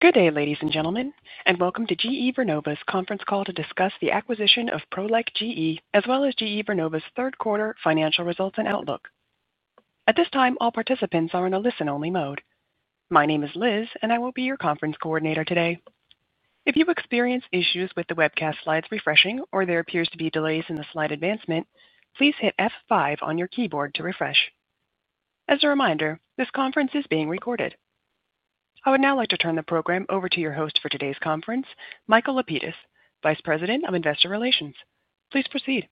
Good day, ladies and gentlemen, and welcome to GE Vernova's conference call to discuss the acquisition of Prolec GE, as well as GE Vernova's third quarter financial results and outlook. At this time, all participants are in a listen-only mode. My name is Liz, and I will be your conference coordinator today. If you experience issues with the webcast slides refreshing or there appears to be delays in the slide advancement, please hit F5 on your keyboard to refresh. As a reminder, this conference is being recorded. I would now like to turn the program over to your host for today's conference, Michael Lapides, Vice President of Investor Relations. Please proceed.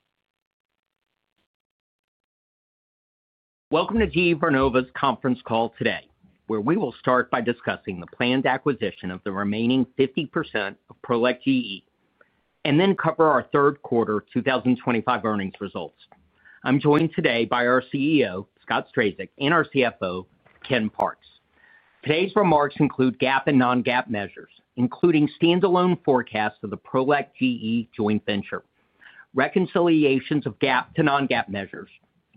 Welcome to GE Vernova's conference call today, where we will start by discussing the planned acquisition of the remaining 50% of Prolec GE and then cover our third quarter 2025 earnings results. I'm joined today by our CEO, Scott Strazik, and our CFO, Ken Parks. Today's remarks include GAAP and non-GAAP measures, including standalone forecasts of the Prolec GE joint venture, reconciliations of GAAP to non-GAAP measures,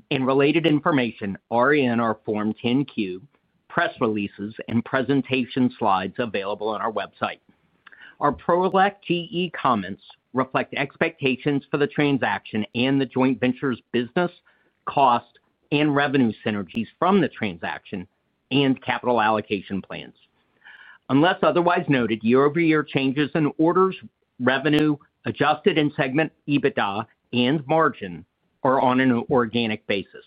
and related information are in our Form 10-Q press releases and presentation slides available on our website. Our Prolec GE comments reflect expectations for the transaction and the joint venture's business, cost, and revenue synergies from the transaction and capital allocation plans. Unless otherwise noted, year-over-year changes in orders, revenue adjusted in segment, EBITDA, and margin are on an organic basis.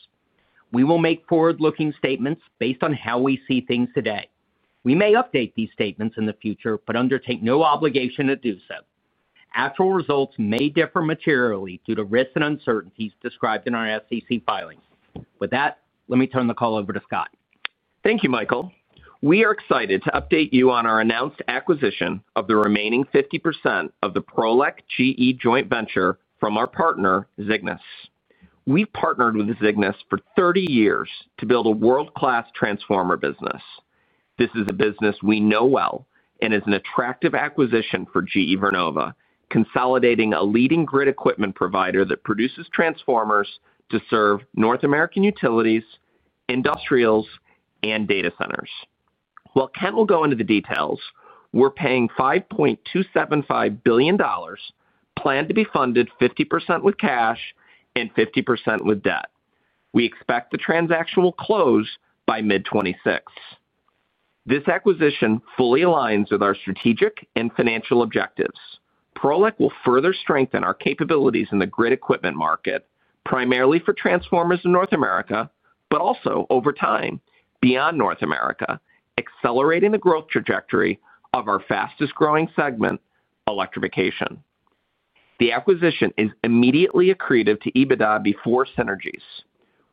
We will make forward-looking statements based on how we see things today. We may update these statements in the future but undertake no obligation to do so. Actual results may differ materially due to risks and uncertainties described in our SEC filings. With that, let me turn the call over to Scott. Thank you, Michael. We are excited to update you on our announced acquisition of the remaining 50% of the Prolec GE joint venture from our partner, Xignux. We've partnered with Xignux for 30 years to build a world-class transformer business. This is a business we know well and is an attractive acquisition for GE Vernova, consolidating a leading grid equipment provider that produces transformers to serve North American utilities, industrials, and data centers. While Ken will go into the details, we're paying $5.275 billion, planned to be funded 50% with cash and 50% with debt. We expect the transaction will close by mid-2026. This acquisition fully aligns with our strategic and financial objectives. Prolec will further strengthen our capabilities in the grid equipment market, primarily for transformers in North America, but also over time beyond North America, accelerating the growth trajectory of our fastest growing segment, electrification. The acquisition is immediately accretive to EBITDA before synergies.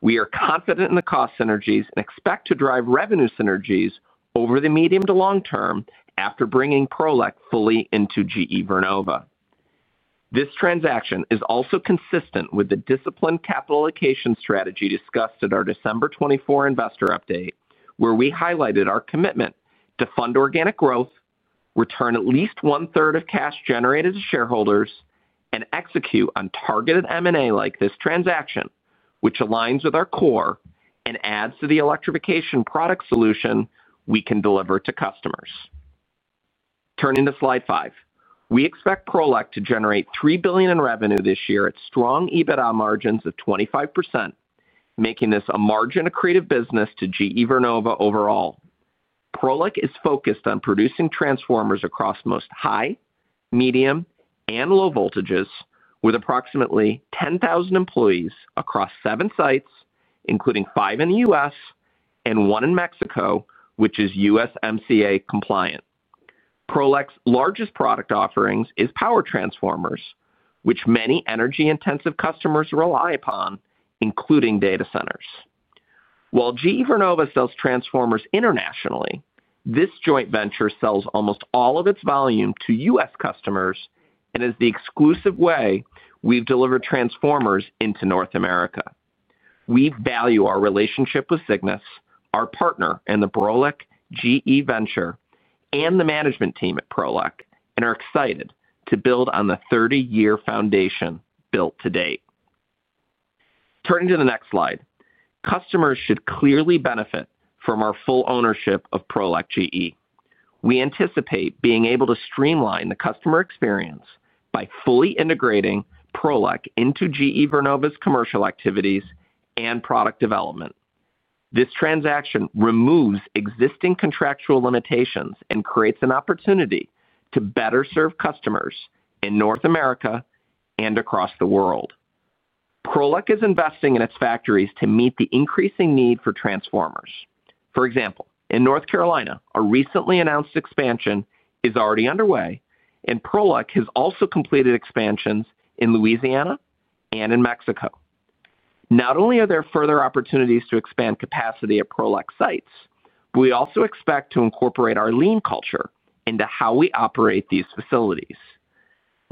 We are confident in the cost synergies and expect to drive revenue synergies over the medium to long term after bringing Prolec fully into GE Vernova. This transaction is also consistent with the disciplined capital allocation strategy discussed at our December 2024 investor update, where we highlighted our commitment to fund organic growth, return at least 1/3 of cash generated to shareholders, and execute on targeted M&A like this transaction, which aligns with our core and adds to the electrification product solution we can deliver to customers. Turning to slide five, we expect Prolec to generate $3 billion in revenue this year at strong EBITDA margins of 25%, making this a margin-accretive business to GE Vernova overall. Prolec is focused on producing transformers across most high, medium, and low voltages, with approximately 10,000 employees across seven sites, including five in the U.S. and one in Mexico, which is USMCA compliant. Prolec's largest product offering is power transformers, which many energy-intensive customers rely upon, including data centers. While GE Vernova sells transformers internationally, this joint venture sells almost all of its volume to U.S. customers and is the exclusive way we've delivered transformers into North America. We value our relationship with Xignux, our partner in the Prolec GE venture, and the management team at Prolec, and are excited to build on the 30-year foundation built to date. Turning to the next slide, customers should clearly benefit from our full ownership of Prolec GE. We anticipate being able to streamline the customer experience by fully integrating Prolec into GE Vernova's commercial activities and product development. This transaction removes existing contractual limitations and creates an opportunity to better serve customers in North America and across the world. Prolec is investing in its factories to meet the increasing need for transformers. For example, in North Carolina, a recently announced expansion is already underway, and Prolec has also completed expansions in Louisiana and in Mexico. Not only are there further opportunities to expand capacity at Prolec sites, we also expect to incorporate our lean culture into how we operate these facilities.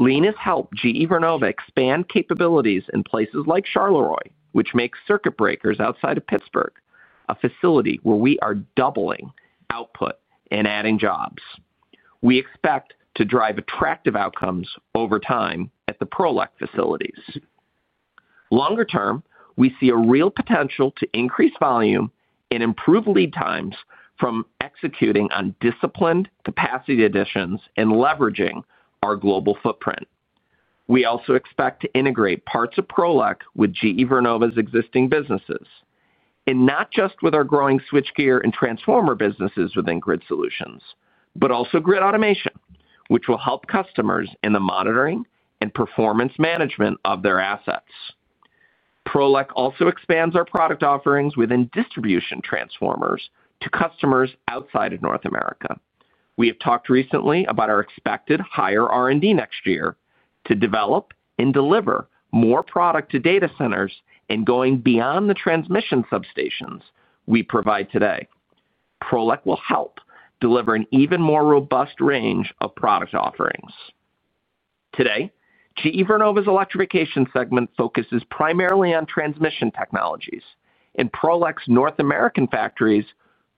Lean has helped GE Vernova expand capabilities in places like Charleroi, which makes circuit breakers outside of Pittsburgh, a facility where we are doubling output and adding jobs. We expect to drive attractive outcomes over time at the Prolec facilities. Longer term, we see a real potential to increase volume and improve lead times from executing on disciplined capacity additions and leveraging our global footprint. We also expect to integrate parts of Prolec with GE Vernova's existing businesses, and not just with our growing switchgear and transformer businesses within grid solutions, but also grid automation, which will help customers in the monitoring and performance management of their assets. Prolec also expands our product offerings within distribution transformers to customers outside of North America. We have talked recently about our expected higher R&D next year to develop and deliver more product to data centers and going beyond the transmission substations we provide today. Prolec will help deliver an even more robust range of product offerings. Today, GE Vernova's electrification segment focuses primarily on transmission technologies, and Prolec's North American factories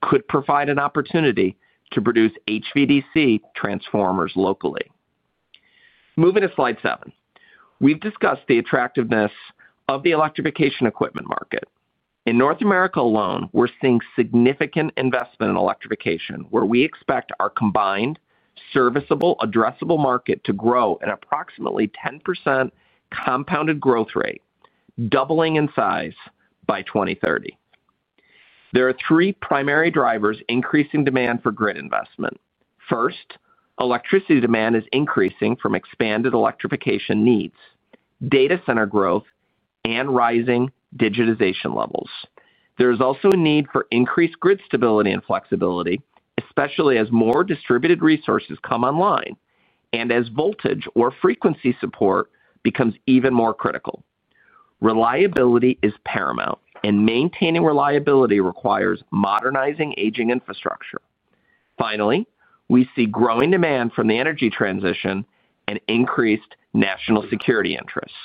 could provide an opportunity to produce HVDC transformers locally. Moving to slide seven, we've discussed the attractiveness of the electrification equipment market. In North America alone, we're seeing significant investment in electrification, where we expect our combined serviceable, addressable market to grow at approximately 10% compounded growth rate, doubling in size by 2030. There are three primary drivers increasing demand for grid investment. First, electricity demand is increasing from expanded electrification needs, data center growth, and rising digitization levels. There is also a need for increased grid stability and flexibility, especially as more distributed resources come online and as voltage or frequency support becomes even more critical. Reliability is paramount, and maintaining reliability requires modernizing aging infrastructure. Finally, we see growing demand from the energy transition and increased national security interests.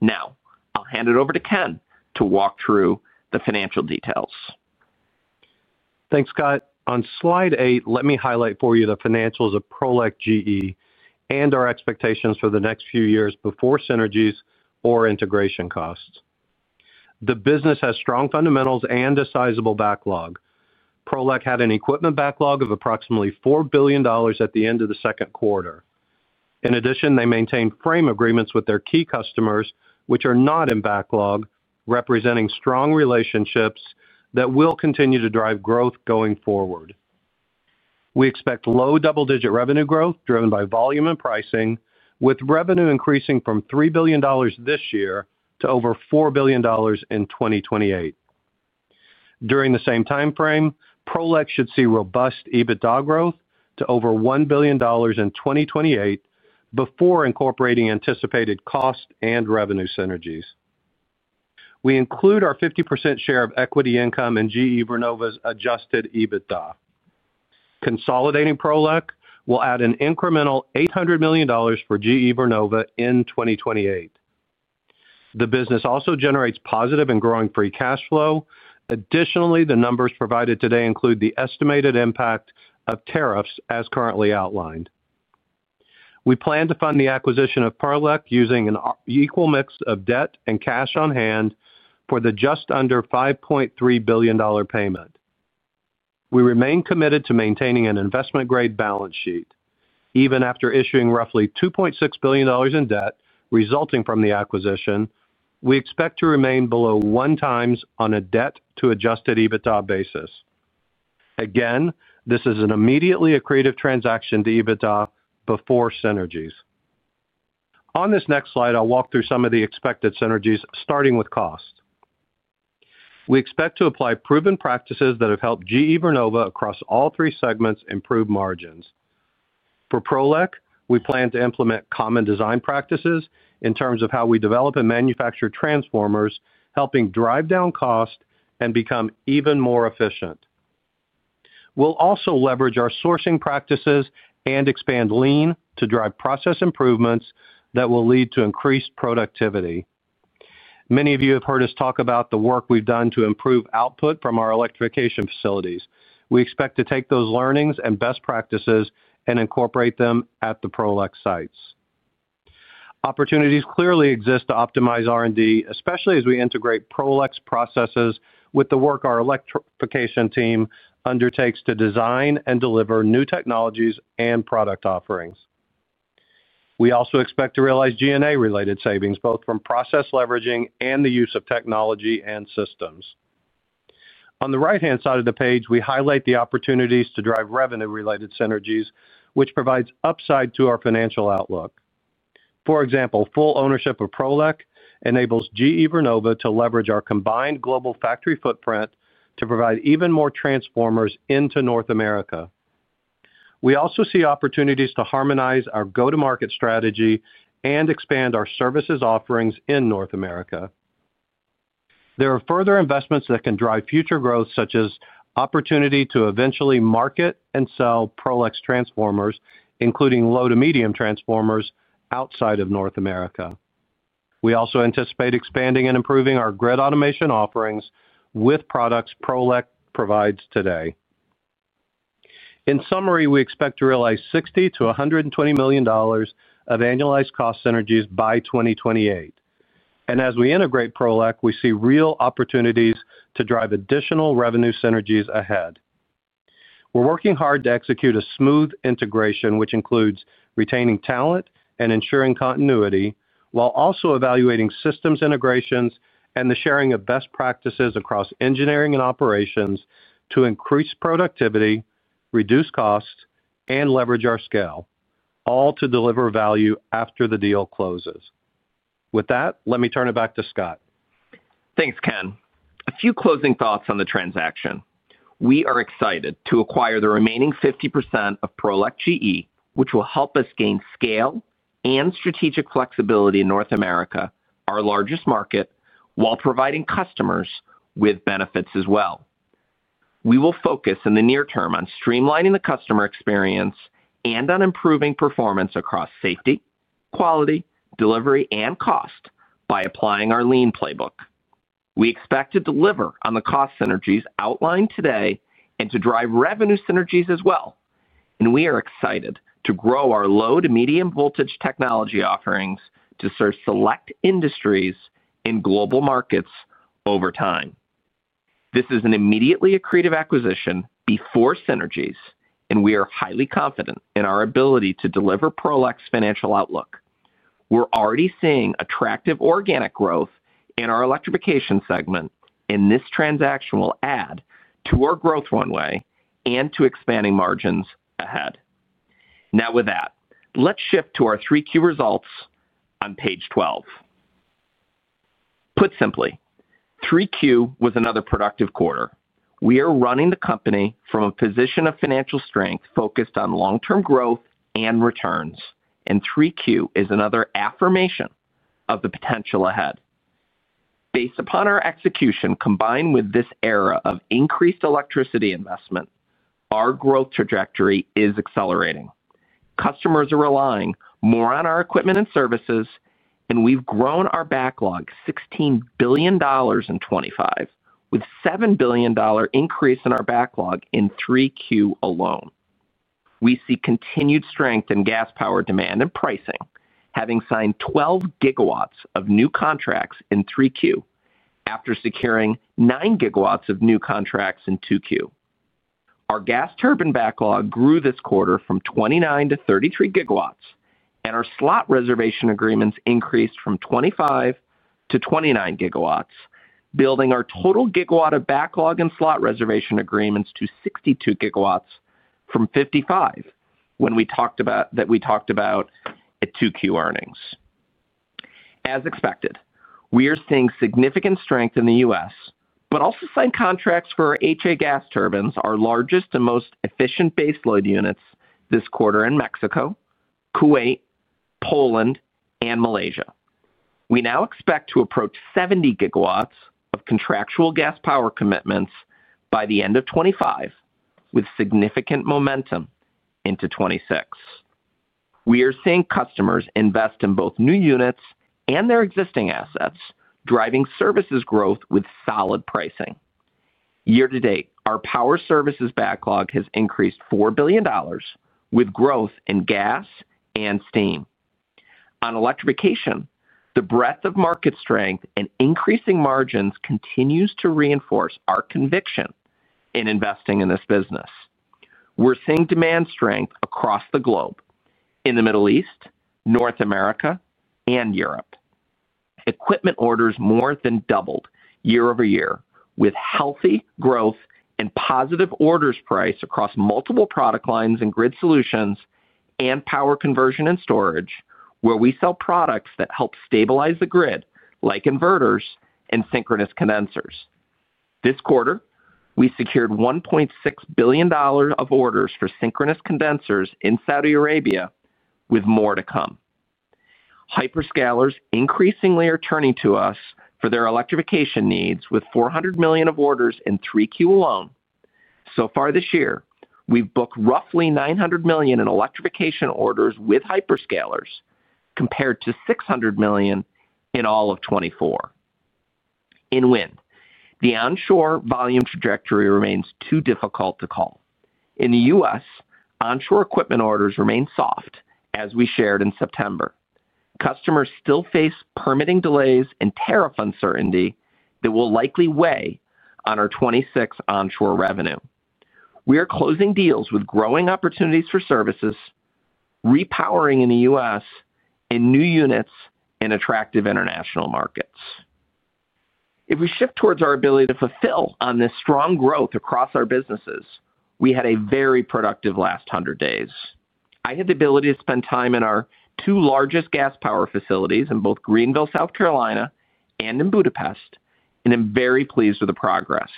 Now, I'll hand it over to Ken to walk through the financial details. Thanks, Scott. On slide eight, let me highlight for you the financials of Prolec GE and our expectations for the next few years before synergies or integration costs. The business has strong fundamentals and a sizable backlog. Prolec had an equipment backlog of approximately $4 billion at the end of the second quarter. In addition, they maintained frame agreements with their key customers, which are not in backlog, representing strong relationships that will continue to drive growth going forward. We expect low double-digit revenue growth driven by volume and pricing, with revenue increasing from $3 billion this year to over $4 billion in 2028. During the same timeframe, Prolec should see robust EBITDA growth to over $1 billion in 2028 before incorporating anticipated cost and revenue synergies. We include our 50% share of equity income in GE Vernova's adjusted EBITDA. Consolidating Prolec will add an incremental $800 million for GE Vernova in 2028. The business also generates positive and growing free cash flow. Additionally, the numbers provided today include the estimated impact of tariffs as currently outlined. We plan to fund the acquisition of Prolec using an equal mix of debt and cash on hand for the just under $5.3 billion payment. We remain committed to maintaining an investment-grade balance sheet. Even after issuing roughly $2.6 billion in debt resulting from the acquisition, we expect to remain below one times on a debt-to-adjusted EBITDA basis. Again, this is an immediately accretive transaction to EBITDA before synergies. On this next slide, I'll walk through some of the expected synergies, starting with cost. We expect to apply proven practices that have helped GE Vernova across all three segments improve margins. For Prolec GE, we plan to implement common design practices in terms of how we develop and manufacture transformers, helping drive down cost and become even more efficient. We'll also leverage our sourcing practices and expand lean to drive process improvements that will lead to increased productivity. Many of you have heard us talk about the work we've done to improve output from our electrification facilities. We expect to take those learnings and best practices and incorporate them at the Prolec sites. Opportunities clearly exist to optimize R&D, especially as we integrate Prolec's processes with the work our electrification team undertakes to design and deliver new technologies and product offerings. We also expect to realize G&A-related savings, both from process leveraging and the use of technology and systems. On the right-hand side of the page, we highlight the opportunities to drive revenue-related synergies, which provide upside to our financial outlook. For example, full ownership of Prolec enables GE Vernova to leverage our combined global factory footprint to provide even more transformers into North America. We also see opportunities to harmonize our go-to-market strategy and expand our services offerings in North America. There are further investments that can drive future growth, such as opportunity to eventually market and sell Prolec's transformers, including low to medium transformers outside of North America. We also anticipate expanding and improving our grid automation offerings with products Prolec provides today. In summary, we expect to realize $60 million-$120 million of annualized cost synergies by 2028. As we integrate Prolec, we see real opportunities to drive additional revenue synergies ahead. We're working hard to execute a smooth integration, which includes retaining talent and ensuring continuity, while also evaluating systems integrations and the sharing of best practices across engineering and operations to increase productivity, reduce cost, and leverage our scale, all to deliver value after the deal closes. With that, let me turn it back to Scott. Thanks, Ken. A few closing thoughts on the transaction. We are excited to acquire the remaining 50% of Prolec GE, which will help us gain scale and strategic flexibility in North America, our largest market, while providing customers with benefits as well. We will focus in the near term on streamlining the customer experience and on improving performance across safety, quality, delivery, and cost by applying our lean playbook. We expect to deliver on the cost synergies outlined today and to drive revenue synergies as well. We are excited to grow our low to medium voltage technology offerings to serve select industries in global markets over time. This is an immediately accretive acquisition before synergies, and we are highly confident in our ability to deliver Prolec's financial outlook. We're already seeing attractive organic growth in our electrification segment, and this transaction will add to our growth runway and to expanding margins ahead. Now, with that, let's shift to our 3Q results on page 12. Put simply, 3Q was another productive quarter. We are running the company from a position of financial strength focused on long-term growth and returns, and 3Q is another affirmation of the potential ahead. Based upon our execution, combined with this era of increased electricity investment, our growth trajectory is accelerating. Customers are relying more on our equipment and services, and we've grown our backlog $16 billion in 2025, with a $7 billion increase in our backlog in 3Q alone. We see continued strength in gas-powered demand and pricing, having signed 12 GW of new contracts in 3Q after securing 9 GW of new contracts in 2Q. Our gas turbine backlog grew this quarter from 29 GW-33 GW, and our slot reservation agreements increased from 25 GW-29 GW, building our total gigawatt of backlog and slot reservation agreements to 62 GW from 55 GW when we talked about that at 2Q earnings. As expected, we are seeing significant strength in the U.S., but also signed contracts for HA gas turbines, our largest and most efficient baseload units this quarter in Mexico, Kuwait, Poland, and Malaysia. We now expect to approach 70 GW of contractual gas power commitments by the end of 2025, with significant momentum into 2026. We are seeing customers invest in both new units and their existing assets, driving services growth with solid pricing. Year to date, our power services backlog has increased $4 billion with growth in gas and steam. On electrification, the breadth of market strength and increasing margins continue to reinforce our conviction in investing in this business. We're seeing demand strength across the globe in the Middle East, North America, and Europe. Equipment orders more than doubled year-over-year with healthy growth and positive orders price across multiple product lines and grid solutions and power conversion and storage, where we sell products that help stabilize the grid, like inverters and synchronous condensers. This quarter, we secured $1.6 billion of orders for synchronous condensers in Saudi Arabia, with more to come. Hyperscalers increasingly are turning to us for their electrification needs, with $400 million of orders in Q3 alone. So far this year, we've booked roughly $900 million in electrification orders with hyperscalers, compared to $600 million in all of 2024. In wind, the onshore volume trajectory remains too difficult to call. In the U.S., onshore equipment orders remain soft, as we shared in September. Customers still face permitting delays and tariff uncertainty that will likely weigh on our 2026 onshore revenue. We are closing deals with growing opportunities for services, repowering in the U.S., and new units in attractive international markets. If we shift towards our ability to fulfill on this strong growth across our businesses, we had a very productive last 100 days. I had the ability to spend time in our two largest gas power facilities in both Greenville, South Carolina, and in Budapest, and I'm very pleased with the progress.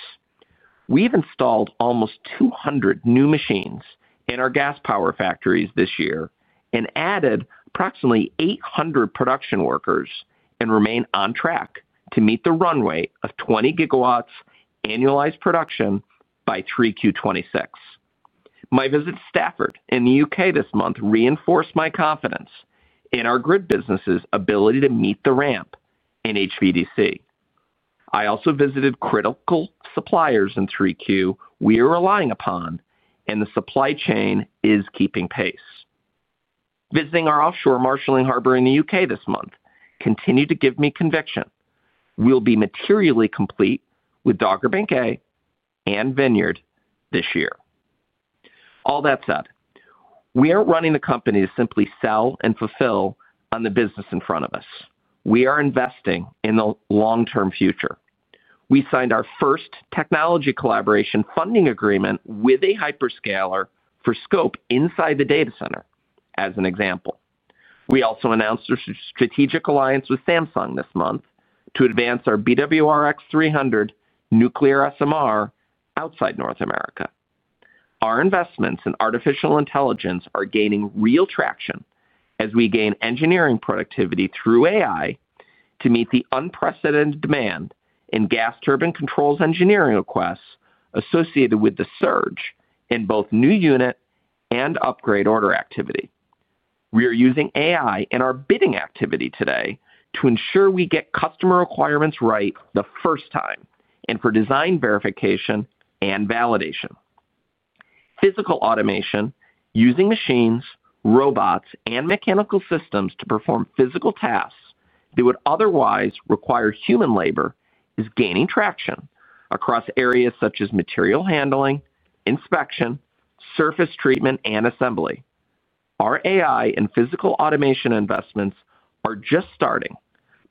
We've installed almost 200 new machines in our gas power factories this year and added approximately 800 production workers and remain on track to meet the runway of 20 GW annualized production by 3Q 2026. My visit to Stafford in the U.K. this month reinforced my confidence in our grid business's ability to meet the ramp in HVDC. I also visited critical suppliers in Q3 we are relying upon, and the supply chain is keeping pace. Visiting our offshore marshalling harbor in the U.K. this month continued to give me conviction. We'll be materially complete with Dogger Bank A and Vineyard this year. All that said, we aren't running the company to simply sell and fulfill on the business in front of us. We are investing in the long-term future. We signed our first technology collaboration funding agreement with a hyperscaler for scope inside the data center, as an example. We also announced a strategic alliance with Samsung this month to advance our BWRX-300 nuclear SMR outside North America. Our investments in artificial intelligence are gaining real traction as we gain engineering productivity through AI to meet the unprecedented demand in gas turbine controls engineering requests associated with the surge in both new unit and upgrade order activity. We are using AI in our bidding activity today to ensure we get customer requirements right the first time and for design verification and validation. Physical automation using machines, robots, and mechanical systems to perform physical tasks that would otherwise require human labor is gaining traction across areas such as material handling, inspection, surface treatment, and assembly. Our AI and physical automation investments are just starting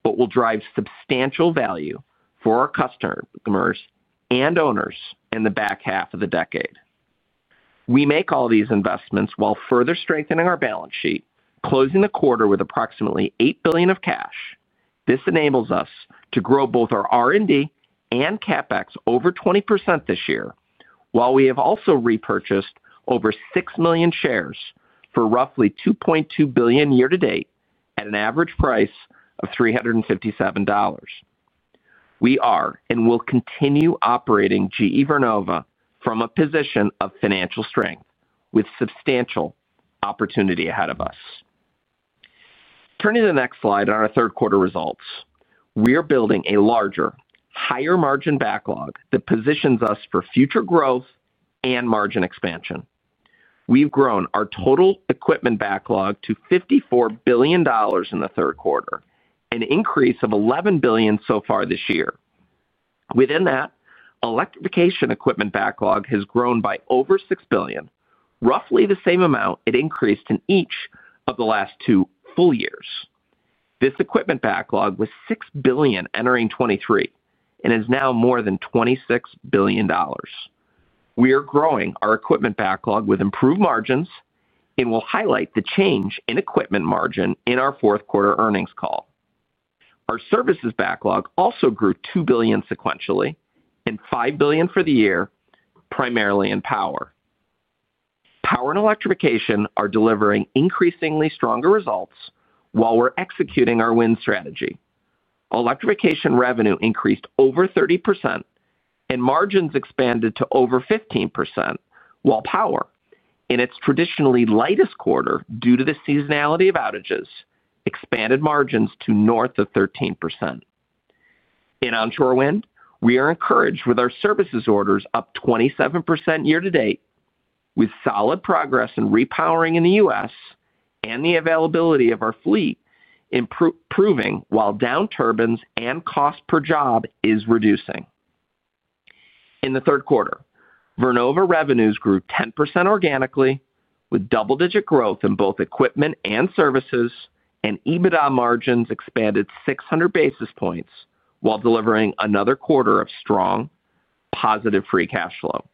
but will drive substantial value for our customers and owners in the back half of the decade. We make all these investments while further strengthening our balance sheet, closing the quarter with approximately $8 billion of cash. This enables us to grow both our R&D and CapEx over 20% this year, while we have also repurchased over 6 million shares for roughly $2.2 billion year to date at an average price of $357. We are and will continue operating GE Vernova from a position of financial strength, with substantial opportunity ahead of us. Turning to the next slide on our third quarter results, we are building a larger, higher margin backlog that positions us for future growth and margin expansion. We've grown our total equipment backlog to $54 billion in the third quarter, an increase of $11 billion so far this year. Within that, electrification equipment backlog has grown by over $6 billion, roughly the same amount it increased in each of the last two full years. This equipment backlog was $6 billion entering 2023 and is now more than $26 billion. We are growing our equipment backlog with improved margins and will highlight the change in equipment margin in our fourth quarter earnings call. Our services backlog also grew $2 billion sequentially and $5 billion for the year, primarily in power. Power and Electrification are delivering increasingly stronger results while we're executing our Wind strategy. Electrification revenue increased over 30% and margins expanded to over 15%, while Power, in its traditionally lightest quarter due to the seasonality of outages, expanded margins to north of 13%. In Onshore Wind, we are encouraged with our services orders up 27% year to date, with solid progress in repowering in the U.S. and the availability of our fleet improving while down turbines and cost per job is reducing. In the third quarter, Vernova revenues grew 10% organically, with double-digit growth in both equipment and services, and EBITDA margins expanded 600 basis points while delivering another quarter of strong, positive free cash flow.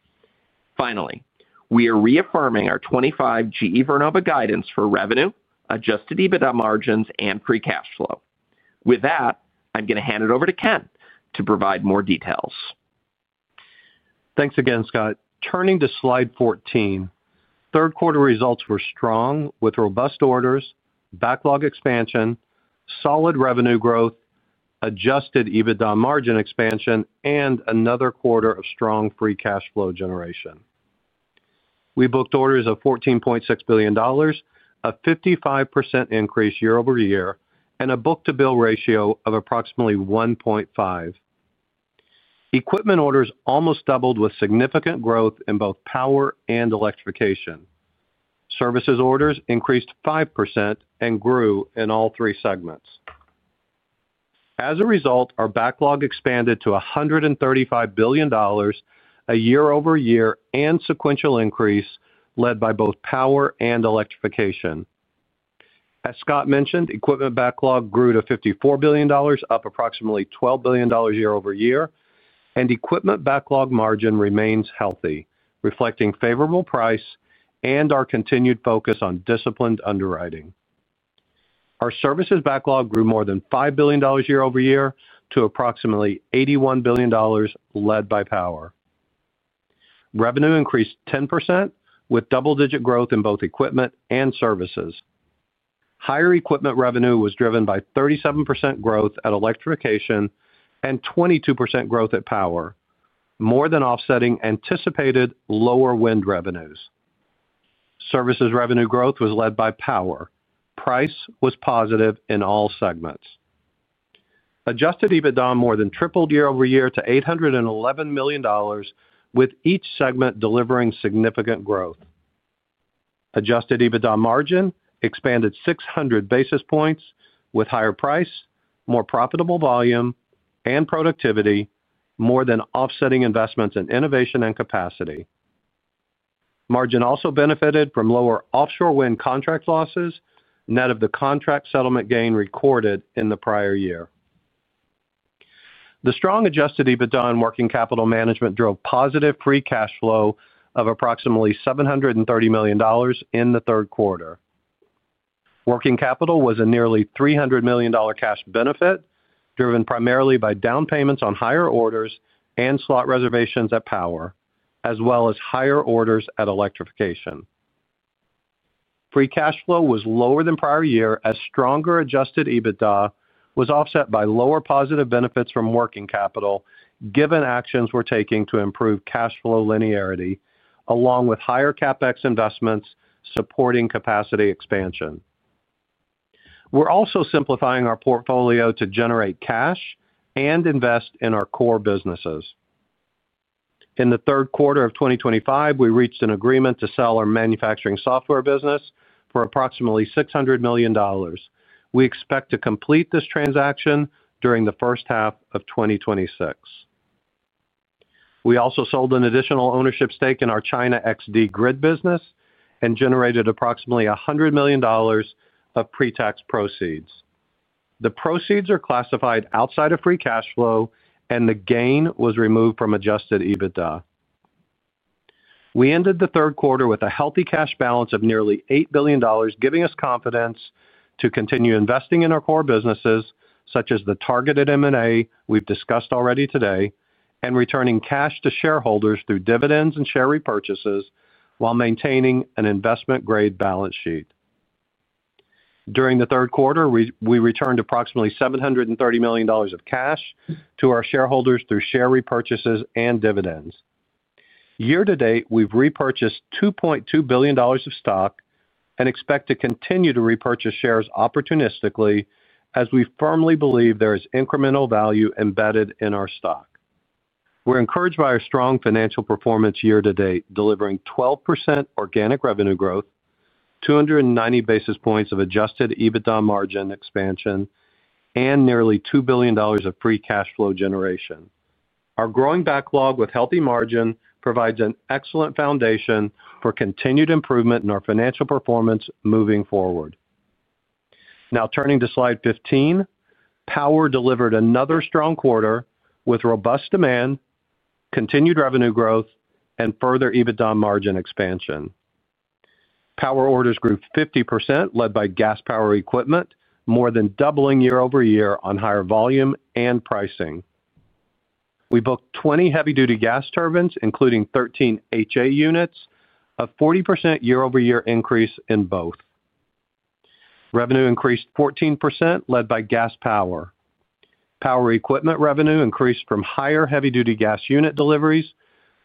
Finally, we are reaffirming our 2025 GE Vernova guidance for revenue, adjusted EBITDA margins, and free cash flow. With that, I'm going to hand it over to Ken to provide more details. Thanks again, Scott. Turning to slide 14, third quarter results were strong with robust orders, backlog expansion, solid revenue growth, adjusted EBITDA margin expansion, and another quarter of strong free cash flow generation. We booked orders of $14.6 billion, a 55% increase year-over-year, and a book-to-bill ratio of approximately 1.5. Equipment orders almost doubled with significant growth in both power and electrification. Services orders increased 5% and grew in all three segments. As a result, our backlog expanded to $135 billion, a year-over-year and sequential increase led by both Power and Electrification. As Scott mentioned, equipment backlog grew to $54 billion, up approximately $12 billion year-over-year, and equipment backlog margin remains healthy, reflecting favorable price and our continued focus on disciplined underwriting. Our services backlog grew more than $5 billion year-over-year to approximately $81 billion led by power. Revenue increased 10% with double-digit growth in both equipment and services. Higher equipment revenue was driven by 37% growth at Electrification and 22% growth at Power, more than offsetting anticipated lower wind revenues. Services revenue growth was led by Power. Price was positive in all segments. Adjusted EBITDA more than tripled year-over-year to $811 million, with each segment delivering significant growth. Adjusted EBITDA margin expanded 600 basis points with higher price, more profitable volume, and productivity, more than offsetting investments in innovation and capacity. Margin also benefited from lower offshore wind contract losses, net of the contract settlement gain recorded in the prior year. The strong adjusted EBITDA on working capital management drove positive free cash flow of approximately $730 million in the third quarter. Working capital was a nearly $300 million cash benefit driven primarily by down payments on higher orders and slot reservations at power, as well as higher orders at electrification. Free cash flow was lower than prior year as stronger adjusted EBITDA was offset by lower positive benefits from working capital given actions we're taking to improve cash flow linearity along with higher CapEx investments supporting capacity expansion. We're also simplifying our portfolio to generate cash and invest in our core businesses. In the third quarter of 2025, we reached an agreement to sell our manufacturing software business for approximately $600 million. We expect to complete this transaction during the first half of 2026. We also sold an additional ownership stake in our China XD grid business and generated approximately $100 million of pre-tax proceeds. The proceeds are classified outside of free cash flow, and the gain was removed from adjusted EBITDA. We ended the third quarter with a healthy cash balance of nearly $8 billion, giving us confidence to continue investing in our core businesses, such as the targeted M&A we've discussed already today, and returning cash to shareholders through dividends and share repurchases while maintaining an investment-grade balance sheet. During the third quarter, we returned approximately $730 million of cash to our shareholders through share repurchases and dividends. Year to date, we've repurchased $2.2 billion of stock and expect to continue to repurchase shares opportunistically as we firmly believe there is incremental value embedded in our stock. We're encouraged by our strong financial performance year to date, delivering 12% organic revenue growth, 290 basis points of adjusted EBITDA margin expansion, and nearly $2 billion of free cash flow generation. Our growing backlog with healthy margin provides an excellent foundation for continued improvement in our financial performance moving forward. Now, turning to slide 15, Power delivered another strong quarter with robust demand, continued revenue growth, and further EBITDA margin expansion. Power orders grew 50% led by gas power equipment, more than doubling year-over-year on higher volume and pricing. We booked 20 heavy-duty gas turbines, including 13 HA units, a 40% year-over-year increase in both. Revenue increased 14% led by gas power. Power equipment revenue increased from higher heavy-duty gas unit deliveries,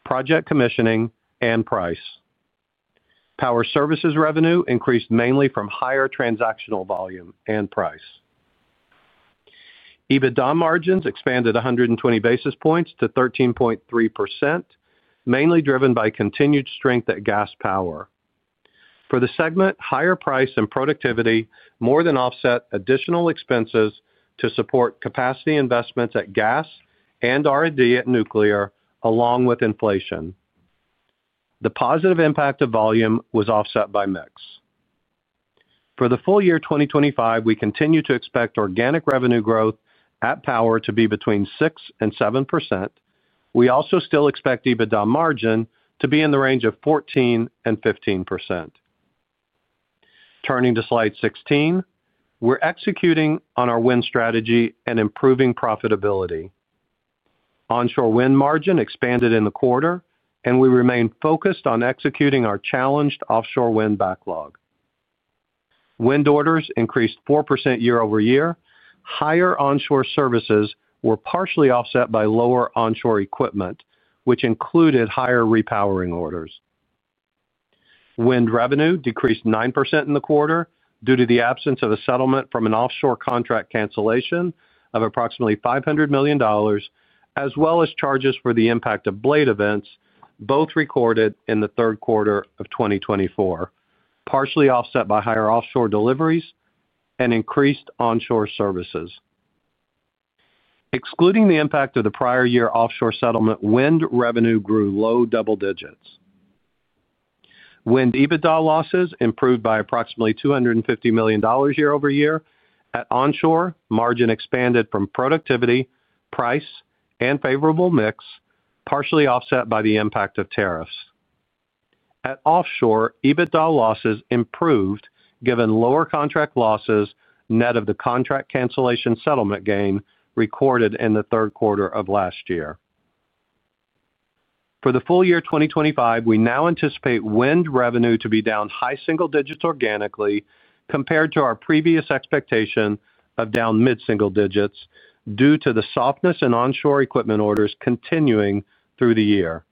project commissioning, and price. Power services revenue increased mainly from higher transactional volume and price. EBITDA margins expanded 120 basis points to 13.3%, mainly driven by continued strength at gas power. For the segment, higher price and productivity more than offset additional expenses to support capacity investments at gas and R&D at nuclear, along with inflation. The positive impact of volume was offset by mix. For the full year 2025, we continue to expect organic revenue growth at Power to be between 6% and 7%. We also still expect EBITDA margin to be in the range of 14% and 15%. Turning to slide 16, we're executing on our wind strategy and improving profitability. Onshore Wind margin expanded in the quarter, and we remain focused on executing our challenged Offshore wind backlog. Wind orders increased 4% year-over-year. Higher onshore services were partially offset by lower onshore equipment, which included higher repowering orders. Wind revenue decreased 9% in the quarter due to the absence of a settlement from an Offshore contract cancellation of approximately $500 million, as well as charges for the impact of blade events, both recorded in the third quarter of 2024, partially offset by higher offshore deliveries and increased onshore services. Excluding the impact of the prior year offshore settlement, wind revenue grew low double digits. Wind EBITDA losses improved by approximately $250 million year-over-year. At Onshore, margin expanded from productivity, price, and favorable mix, partially offset by the impact of tariffs. At Offshore, EBITDA losses improved given lower contract losses net of the contract cancellation settlement gain recorded in the third quarter of last year. For the full year 2025, we now anticipate wind revenue to be down high single digits organically compared to our previous expectation of down mid-single digits due to the softness in Onshore equipment orders continuing through the year.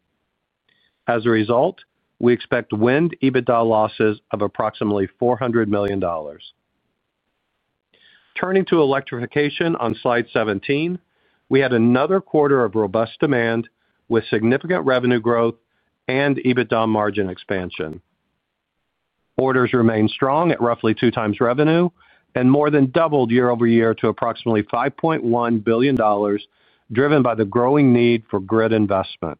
As a result, we expect wind EBITDA losses of approximately $400 million. Turning to Electrification on slide 17, we had another quarter of robust demand with significant revenue growth and EBITDA margin expansion. Orders remain strong at roughly two times revenue and more than doubled year-over-year to approximately $5.1 billion, driven by the growing need for grid investment.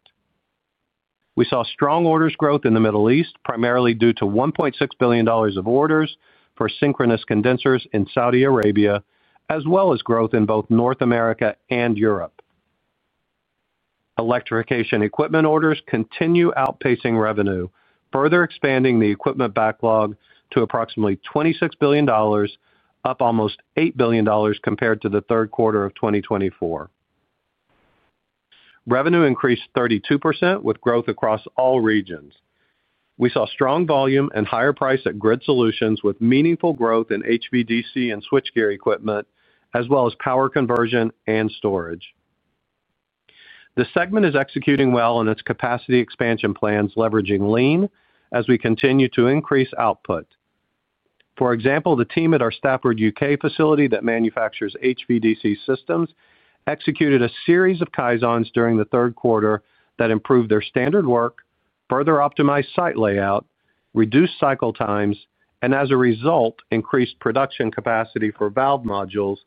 We saw strong orders growth in the Middle East, primarily due to $1.6 billion of orders for synchronous condensers in Saudi Arabia, as well as growth in both North America and Europe. Electrification equipment orders continue outpacing revenue, further expanding the equipment backlog to approximately $26 billion, up almost $8 billion compared to the third quarter of 2024. Revenue increased 32% with growth across all regions. We saw strong volume and higher price at grid solutions with meaningful growth in HVDC and switchgear equipment, as well as power conversion and storage. The segment is executing well in its capacity expansion plans, leveraging lean as we continue to increase output. For example, the team at our Stafford, U.K., facility that manufactures HVDC systems executed a series of kaizens during the third quarter that improved their standard work, further optimized site layout, reduced cycle times, and as a result, increased production capacity for valve modules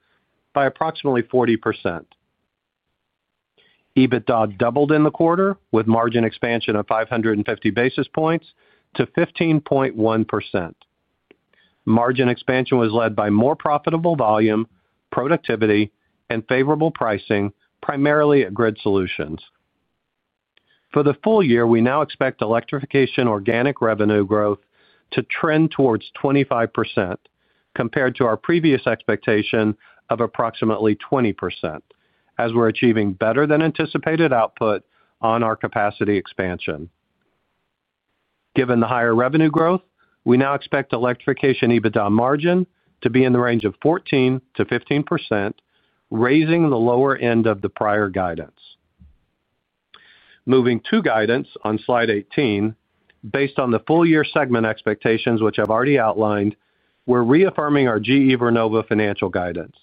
by approximately 40%. EBITDA doubled in the quarter with margin expansion of 550 basis points to 15.1%. Margin expansion was led by more profitable volume, productivity, and favorable pricing, primarily at Grid Solutions. For the full year, we now expect Electrification organic revenue growth to trend towards 25% compared to our previous expectation of approximately 20%, as we're achieving better than anticipated output on our capacity expansion. Given the higher revenue growth, we now expect Electrification EBITDA margin to be in the range of 14%-15%, raising the lower end of the prior guidance. Moving to guidance on slide 18, based on the full-year segment expectations, which I've already outlined, we're reaffirming our GE Vernova financial guidance.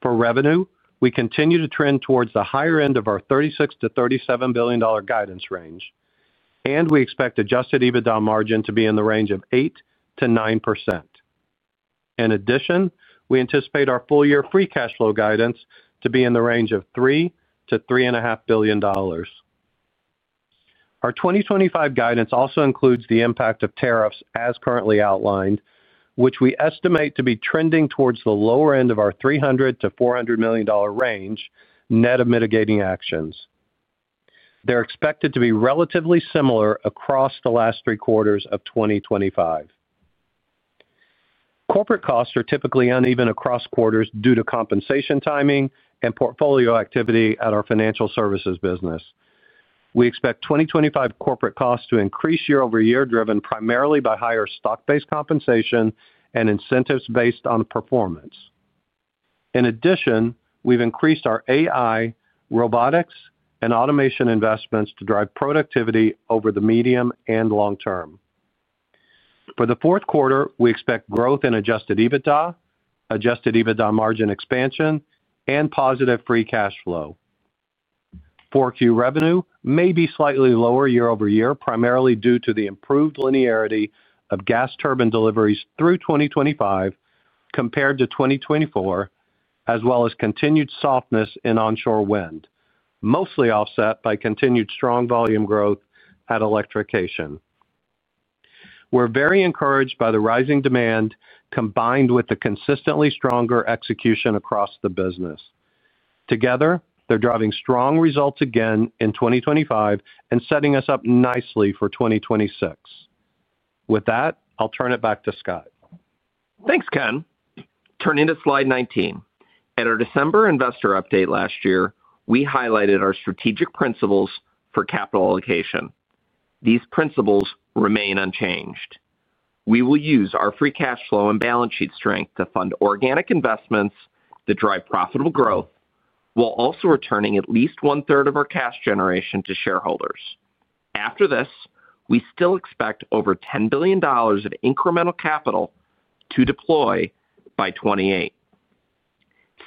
For revenue, we continue to trend towards the higher end of our $36 billion-$37 billion guidance range, and we expect adjusted EBITDA margin to be in the range of 8%-9%. In addition, we anticipate our full-year free cash flow guidance to be in the range of $3 billion-$3.5 billion. Our 2025 guidance also includes the impact of tariffs, as currently outlined, which we estimate to be trending towards the lower end of our $300 million-$400 million range net of mitigating actions. They're expected to be relatively similar across the last three quarters of 2025. Corporate costs are typically uneven across quarters due to compensation timing and portfolio activity at our financial services business. We expect 2025 corporate costs to increase year-over-year, driven primarily by higher stock-based compensation and incentives based on performance. In addition, we've increased our AI, robotics, and automation investments to drive productivity over the medium and long term. For the fourth quarter, we expect growth in adjusted EBITDA, adjusted EBITDA margin expansion, and positive free cash flow. Fourth-quarter revenue may be slightly lower year-over-year, primarily due to the improved linearity of gas turbine deliveries through 2025 compared to 2024, as well as continued softness in Onshore Wind, mostly offset by continued strong volume growth at Electrification. We're very encouraged by the rising demand combined with the consistently stronger execution across the business. Together, they're driving strong results again in 2025 and setting us up nicely for 2026. With that, I'll turn it back to Scott. Thanks, Ken. Turning to slide 19. At our December investor update last year, we highlighted our strategic principles for capital allocation. These principles remain unchanged. We will use our free cash flow and balance sheet strength to fund organic investments that drive profitable growth while also returning at least 1/3 of our cash generation to shareholders. After this, we still expect over $10 billion of incremental capital to deploy by 2028.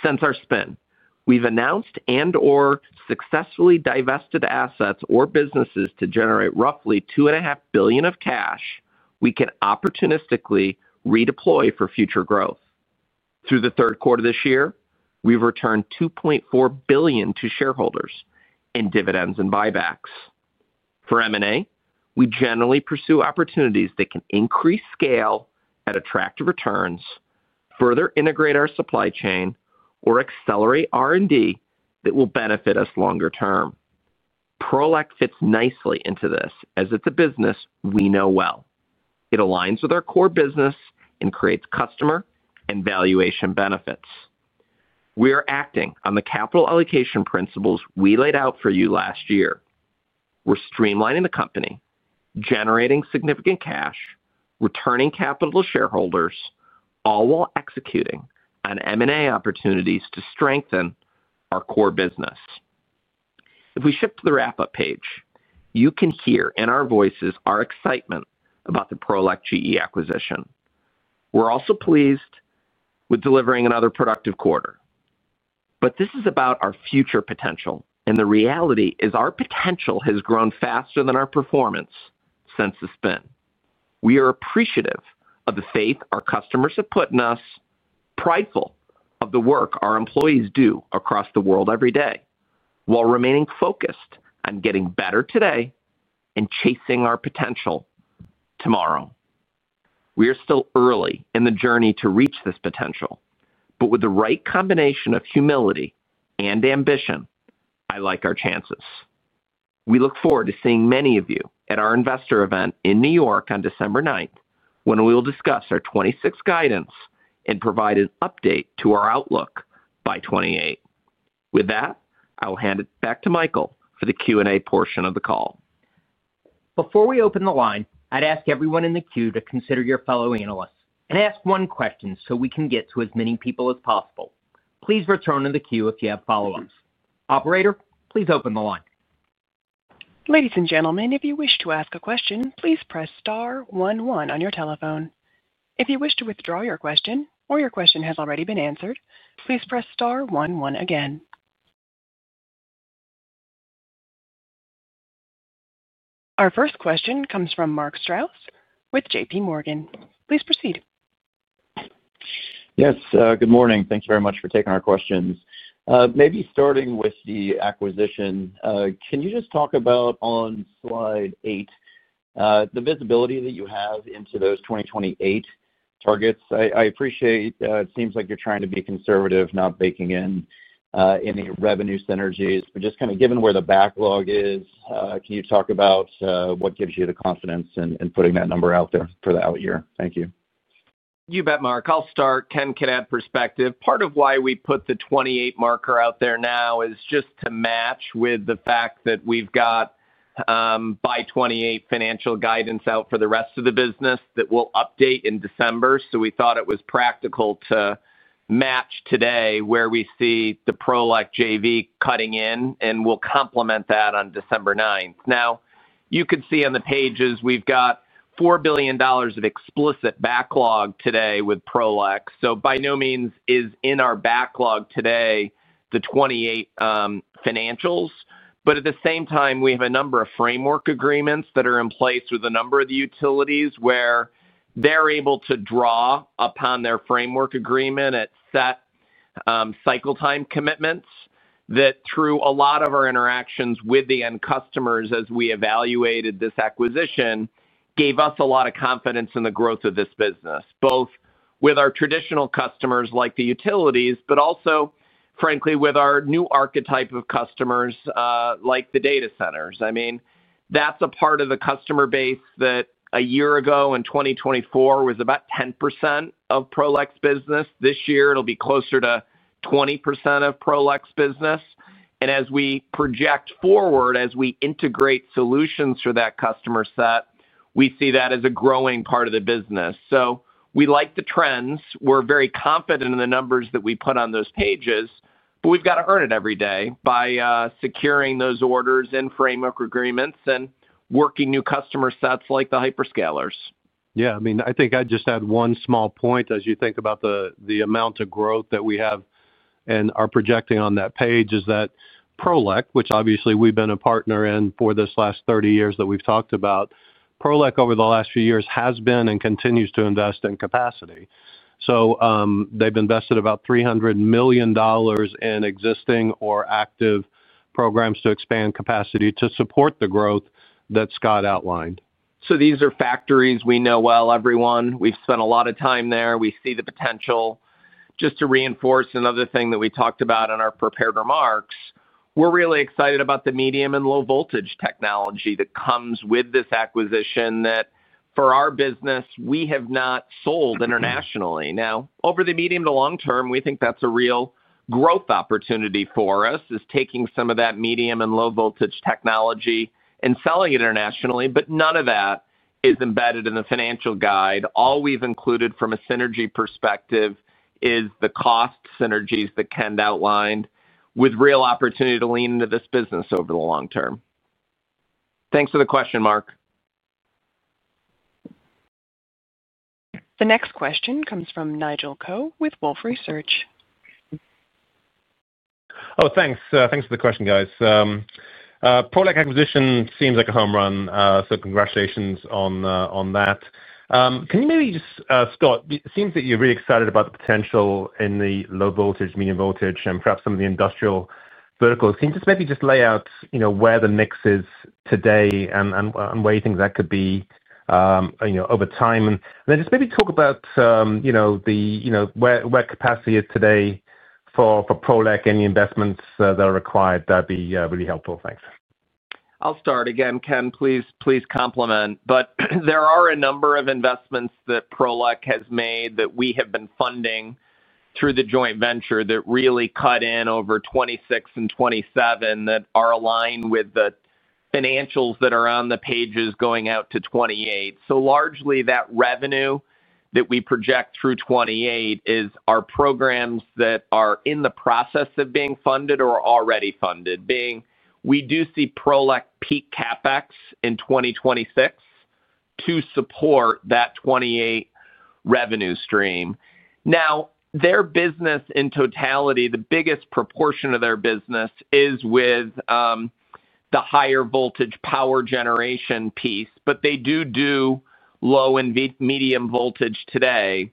Since our spin, we've announced and/or successfully divested assets or businesses to generate roughly $2.5 billion of cash we can opportunistically redeploy for future growth. Through the third quarter this year, we've returned $2.4 billion to shareholders in dividends and buybacks. For M&A, we generally pursue opportunities that can increase scale at attractive returns, further integrate our supply chain, or accelerate R&D that will benefit us longer term. Prolec fits nicely into this as it's a business we know well. It aligns with our core business and creates customer and valuation benefits. We are acting on the capital allocation principles we laid out for you last year. We're streamlining the company, generating significant cash, returning capital to shareholders, all while executing on M&A opportunities to strengthen our core business. If we shift to the wrap-up page, you can hear in our voices our excitement about the Prolec GE acquisition. We're also pleased with delivering another productive quarter. This is about our future potential, and the reality is our potential has grown faster than our performance since the spin. We are appreciative of the faith our customers have put in us, prideful of the work our employees do across the world every day, while remaining focused on getting better today and chasing our potential tomorrow. We are still early in the journey to reach this potential, but with the right combination of humility and ambition, I like our chances. We look forward to seeing many of you at our investor event in New York on December 9th, when we will discuss our 2026 guidance and provide an update to our outlook by 2028. With that, I will hand it back to Michael for the Q&A portion of the call. Before we open the line, I'd ask everyone in the queue to consider your fellow analysts and ask one question so we can get to as many people as possible. Please return in the queue if you have follow-ups. Operator, please open the line. Ladies and gentlemen, if you wish to ask a question, please press star one one on your telephone. If you wish to withdraw your question or your question has already been answered, please press star one one again. Our first question comes from Mark Strouse with JPMorgan. Please proceed. Yes, good morning. Thank you very much for taking our questions. Maybe starting with the acquisition, can you just talk about on slide eight the visibility that you have into those 2028 targets? I appreciate it seems like you're trying to be conservative, not baking in any revenue synergies, but just kind of given where the backlog is, can you talk about what gives you the confidence in putting that number out there for the out year? Thank you. You bet, Mark. I'll start. Ken can add perspective. Part of why we put the 2028 marker out there now is just to match with the fact that we've got by 2028 financial guidance out for the rest of the business that will update in December. We thought it was practical to match today where we see the Prolec JV cutting in, and we'll complement that on December 9. You could see on the pages we've got $4 billion of explicit backlog today with Prolec. By no means is in our backlog today the 2028 financials. At the same time, we have a number of framework agreements that are in place with a number of the utilities where they're able to draw upon their framework agreement at set cycle time commitments that, through a lot of our interactions with the end customers as we evaluated this acquisition, gave us a lot of confidence in the growth of this business, both with our traditional customers like the utilities, but also, frankly, with our new archetype of customers like the data centers. That's a part of the customer base that a year ago in 2024 was about 10% of Prolec's business. This year, it'll be closer to 20% of Prolec's business. As we project forward, as we integrate solutions for that customer set, we see that as a growing part of the business. We like the trends. We're very confident in the numbers that we put on those pages, but we've got to earn it every day by securing those orders and framework agreements and working new customer sets like the hyperscalers. Yeah, I mean, I think I'd just add one small point as you think about the amount of growth that we have and are projecting on that page is that Prolec, which obviously we've been a partner in for this last 30 years that we've talked about, Prolec over the last few years has been and continues to invest in capacity. They've invested about $300 million in existing or active programs to expand capacity to support the growth that Scott outlined. These are factories we know well, everyone. We've spent a lot of time there. We see the potential. Just to reinforce another thing that we talked about in our prepared remarks, we're really excited about the medium and low voltage technology that comes with this acquisition that for our business, we have not sold internationally. Now, over the medium to long term, we think that's a real growth opportunity for us is taking some of that medium and low voltage technology and selling it internationally, but none of that is embedded in the financial guide. All we've included from a synergy perspective is the cost synergies that Ken outlined with real opportunity to lean into this business over the long term. Thanks for the question, Mark. The next question comes from Nigel Coe with Wolfe Research. Thanks for the question, guys. Prolec acquisition seems like a home run. Congratulations on that. Can you maybe just, Scott, it seems that you're really excited about the potential in the low voltage, medium voltage, and perhaps some of the industrial verticals. Can you just maybe lay out where the mix is today and where you think that could be over time? Maybe talk about where capacity is today for Prolec and the investments that are required. That'd be really helpful. Thanks. I'll start. Ken, please complement. There are a number of investments that Prolec has made that we have been funding through the joint venture that really cut in over 2026 and 2027, that are aligned with the financials that are on the pages going out to 2028. Largely, that revenue that we project through 2028 is our programs that are in the process of being funded or already funded. We do see Prolec peak CapEx in 2026 to support that 2028 revenue stream. Now, their business in totality, the biggest proportion of their business is with the higher voltage power generation piece, but they do low and medium voltage today.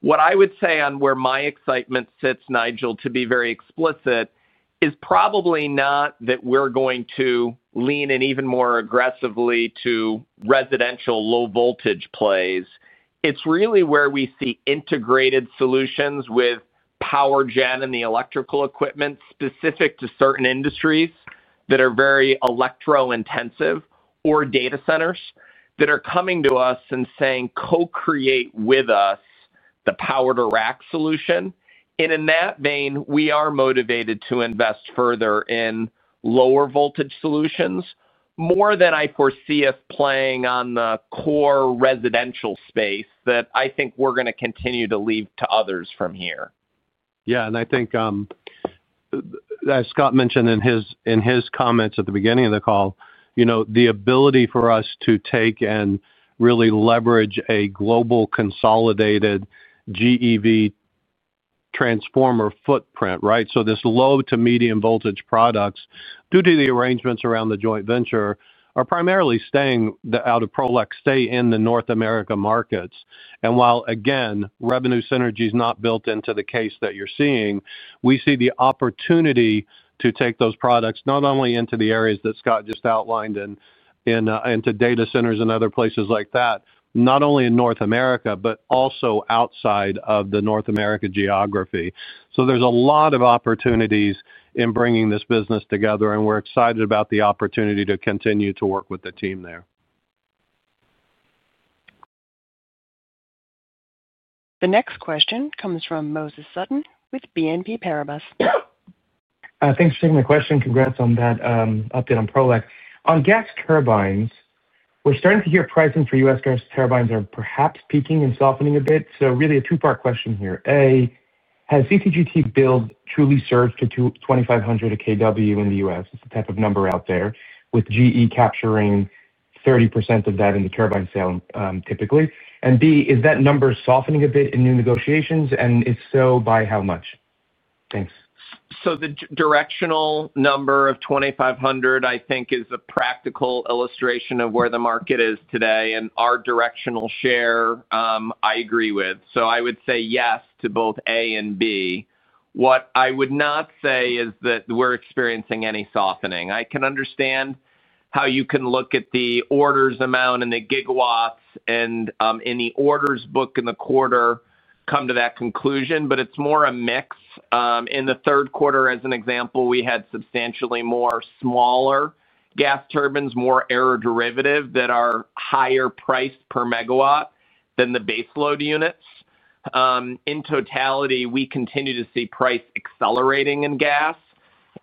What I would say on where my excitement sits, Nigel, to be very explicit, is probably not that we're going to lean in even more aggressively to residential low voltage plays. It's really where we see integrated solutions with PowerGen and the electrical equipment specific to certain industries that are very electro-intensive or data centers that are coming to us and saying, "Co-create with us the power-to-rack solution." In that vein, we are motivated to invest further in lower voltage solutions more than I foresee us playing on the core residential space that I think we're going to continue to leave to others from here. Yeah, and I think, as Scott mentioned in his comments at the beginning of the call, the ability for us to take and really leverage a global consolidated GE Vernova transformer footprint, right? These low to medium voltage products, due to the arrangements around the joint venture, are primarily staying out of Prolec, stay in the North America markets. While, again, revenue synergy is not built into the case that you're seeing, we see the opportunity to take those products not only into the areas that Scott just outlined and into data centers and other places like that, not only in North America, but also outside of the North America geography. There's a lot of opportunities in bringing this business together, and we're excited about the opportunity to continue to work with the team there. The next question comes from Moses Sutton with BNP Paribas. Thanks for taking the question. Congrats on that update on Prolec. On gas turbines, we're starting to hear pricing for U.S. gas turbines are perhaps peaking and softening a bit. Really a two-part question here. A, has CCGT build truly surged to $2,500 a kW in the U.S.? It's the type of number out there, with GE Vernova capturing 30% of that in the turbine sale typically. B, is that number softening a bit in new negotiations? If so, by how much? Thanks. The directional number of 2,500, I think, is a practical illustration of where the market is today and our directional share I agree with. I would say yes to both A and B. What I would not say is that we're experiencing any softening. I can understand how you can look at the orders amount and the gigawatts and in the orders book in the quarter come to that conclusion, but it's more a mix. In the third quarter, as an example, we had substantially more smaller gas turbines, more air-derivative that are higher priced per megawatt than the baseload units. In totality, we continue to see price accelerating in gas.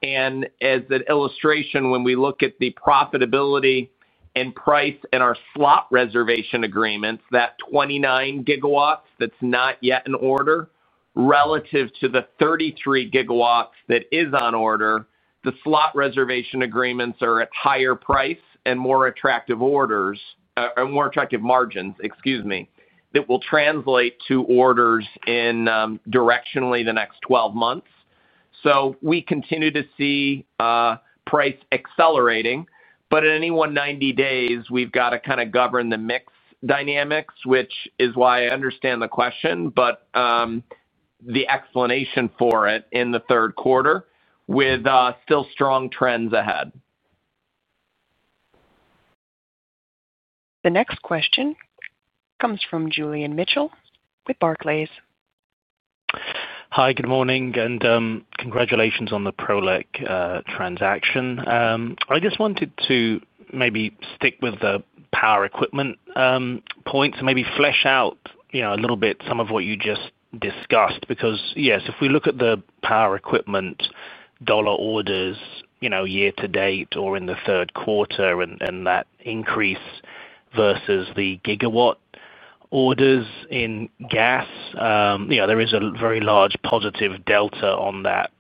As an illustration, when we look at the profitability and price and our slot reservation agreements, that 29 GW that's not yet an order relative to the 33 GW that is on order, the slot reservation agreements are at higher price and more attractive margins, excuse me, that will translate to orders in directionally the next 12 months. We continue to see price accelerating, but at any one 90 days, we've got to kind of govern the mix dynamics, which is why I understand the question, but the explanation for it in the third quarter with still strong trends ahead. The next question comes from Julian Mitchell with Barclays. Hi, good morning, and congratulations on the Prolec transaction. I just wanted to maybe stick with the power equipment points and maybe flesh out a little bit some of what you just discussed because, yes, if we look at the power equipment dollar orders year to date or in the third quarter and that increase versus the gigawatt orders in gas, there is a very large positive delta on that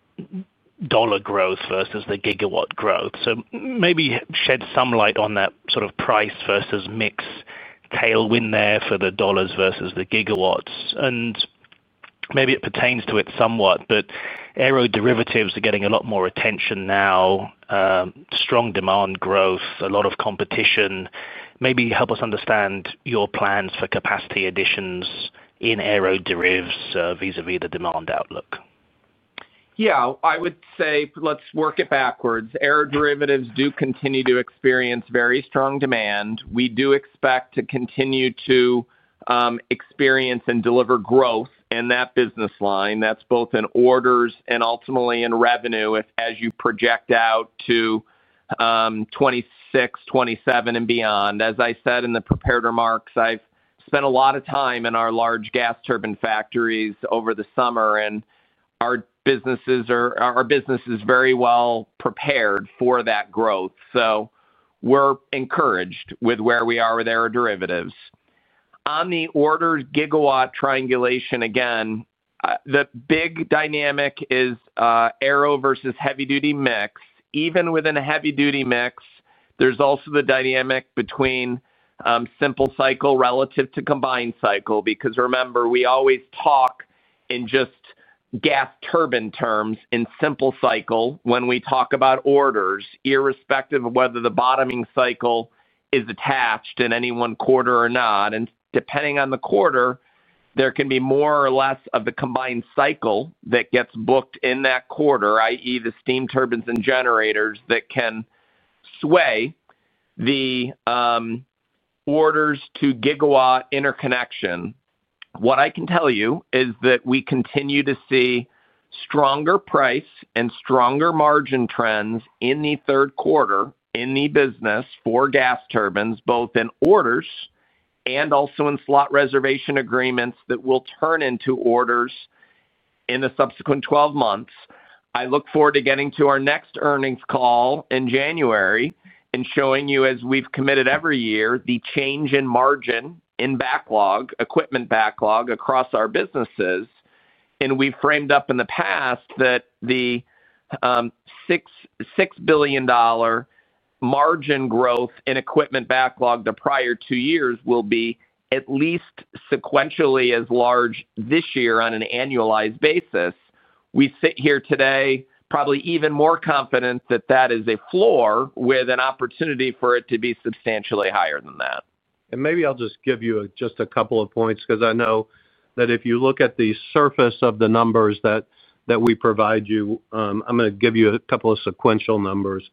dollar growth versus the gigawatt growth. Maybe shed some light on that sort of price versus mix tailwind there for the dollars versus the gigawatts. Maybe it pertains to it somewhat, but aeroderivatives are getting a lot more attention now. Strong demand growth, a lot of competition. Maybe help us understand your plans for capacity additions in aeroderivatives vis-à-vis the demand outlook. Yeah, I would say let's work it backwards. aeroderivatives do continue to experience very strong demand. We do expect to continue to experience and deliver growth in that business line. That's both in orders and ultimately in revenue as you project out to 2026, 2027, and beyond. As I said in the prepared remarks, I've spent a lot of time in our large gas turbine factories over the summer, and our business is very well prepared for that growth. We are encouraged with where we are with aeroderivatives. On the order gigawatt triangulation, again, the big dynamic is aero versus heavy-duty mix. Even within a heavy-duty mix, there's also the dynamic between simple cycle relative to combined cycle because remember, we always talk in just gas turbine terms in simple cycle when we talk about orders, irrespective of whether the bottoming cycle is attached in any one quarter or not. Depending on the quarter, there can be more or less of the combined cycle that gets booked in that quarter, i.e., the steam turbines and generators that can sway the orders to gigawatt interconnection. What I can tell you is that we continue to see stronger price and stronger margin trends in the third quarter in the business for gas turbines, both in orders and also in slot reservation agreements that will turn into orders in the subsequent 12 months. I look forward to getting to our next earnings call in January and showing you, as we've committed every year, the change in margin in backlog, equipment backlog across our businesses. We framed up in the past that the $6 billion margin growth in equipment backlog the prior two years will be at least sequentially as large this year on an annualized basis. We sit here today probably even more confident that that is a floor with an opportunity for it to be substantially higher than that. Maybe I'll just give you just a couple of points because I know that if you look at the surface of the numbers that we provide you, I'm going to give you a couple of sequential numbers.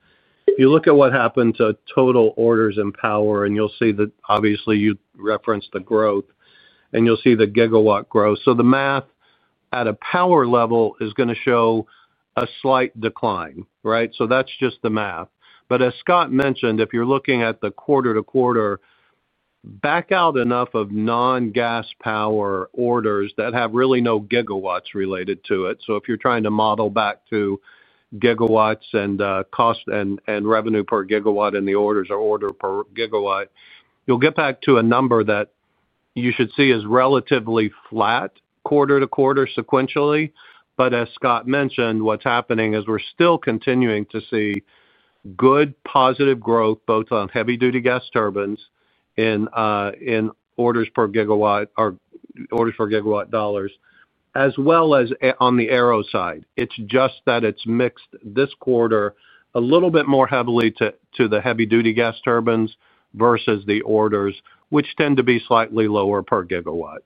If you look at what happened to total orders and power, you'll see that obviously you referenced the growth, and you'll see the gigawatt growth. The math at a power level is going to show a slight decline, right? That's just the math. As Scott mentioned, if you're looking at the quarter to quarter, back out enough of non-gas power orders that have really no gigawatts related to it. If you're trying to model back to gigawatts and cost and revenue per gigawatt in the orders or order per gigawatt, you'll get back to a number that you should see as relatively flat quarter to quarter sequentially. As Scott mentioned, what's happening is we're still continuing to see good positive growth both on heavy-duty gas turbines in orders per gigawatt dollars, as well as on the aero side. It's just that it's mixed this quarter a little bit more heavily to the heavy-duty gas turbines versus the orders, which tend to be slightly lower per gigawatt.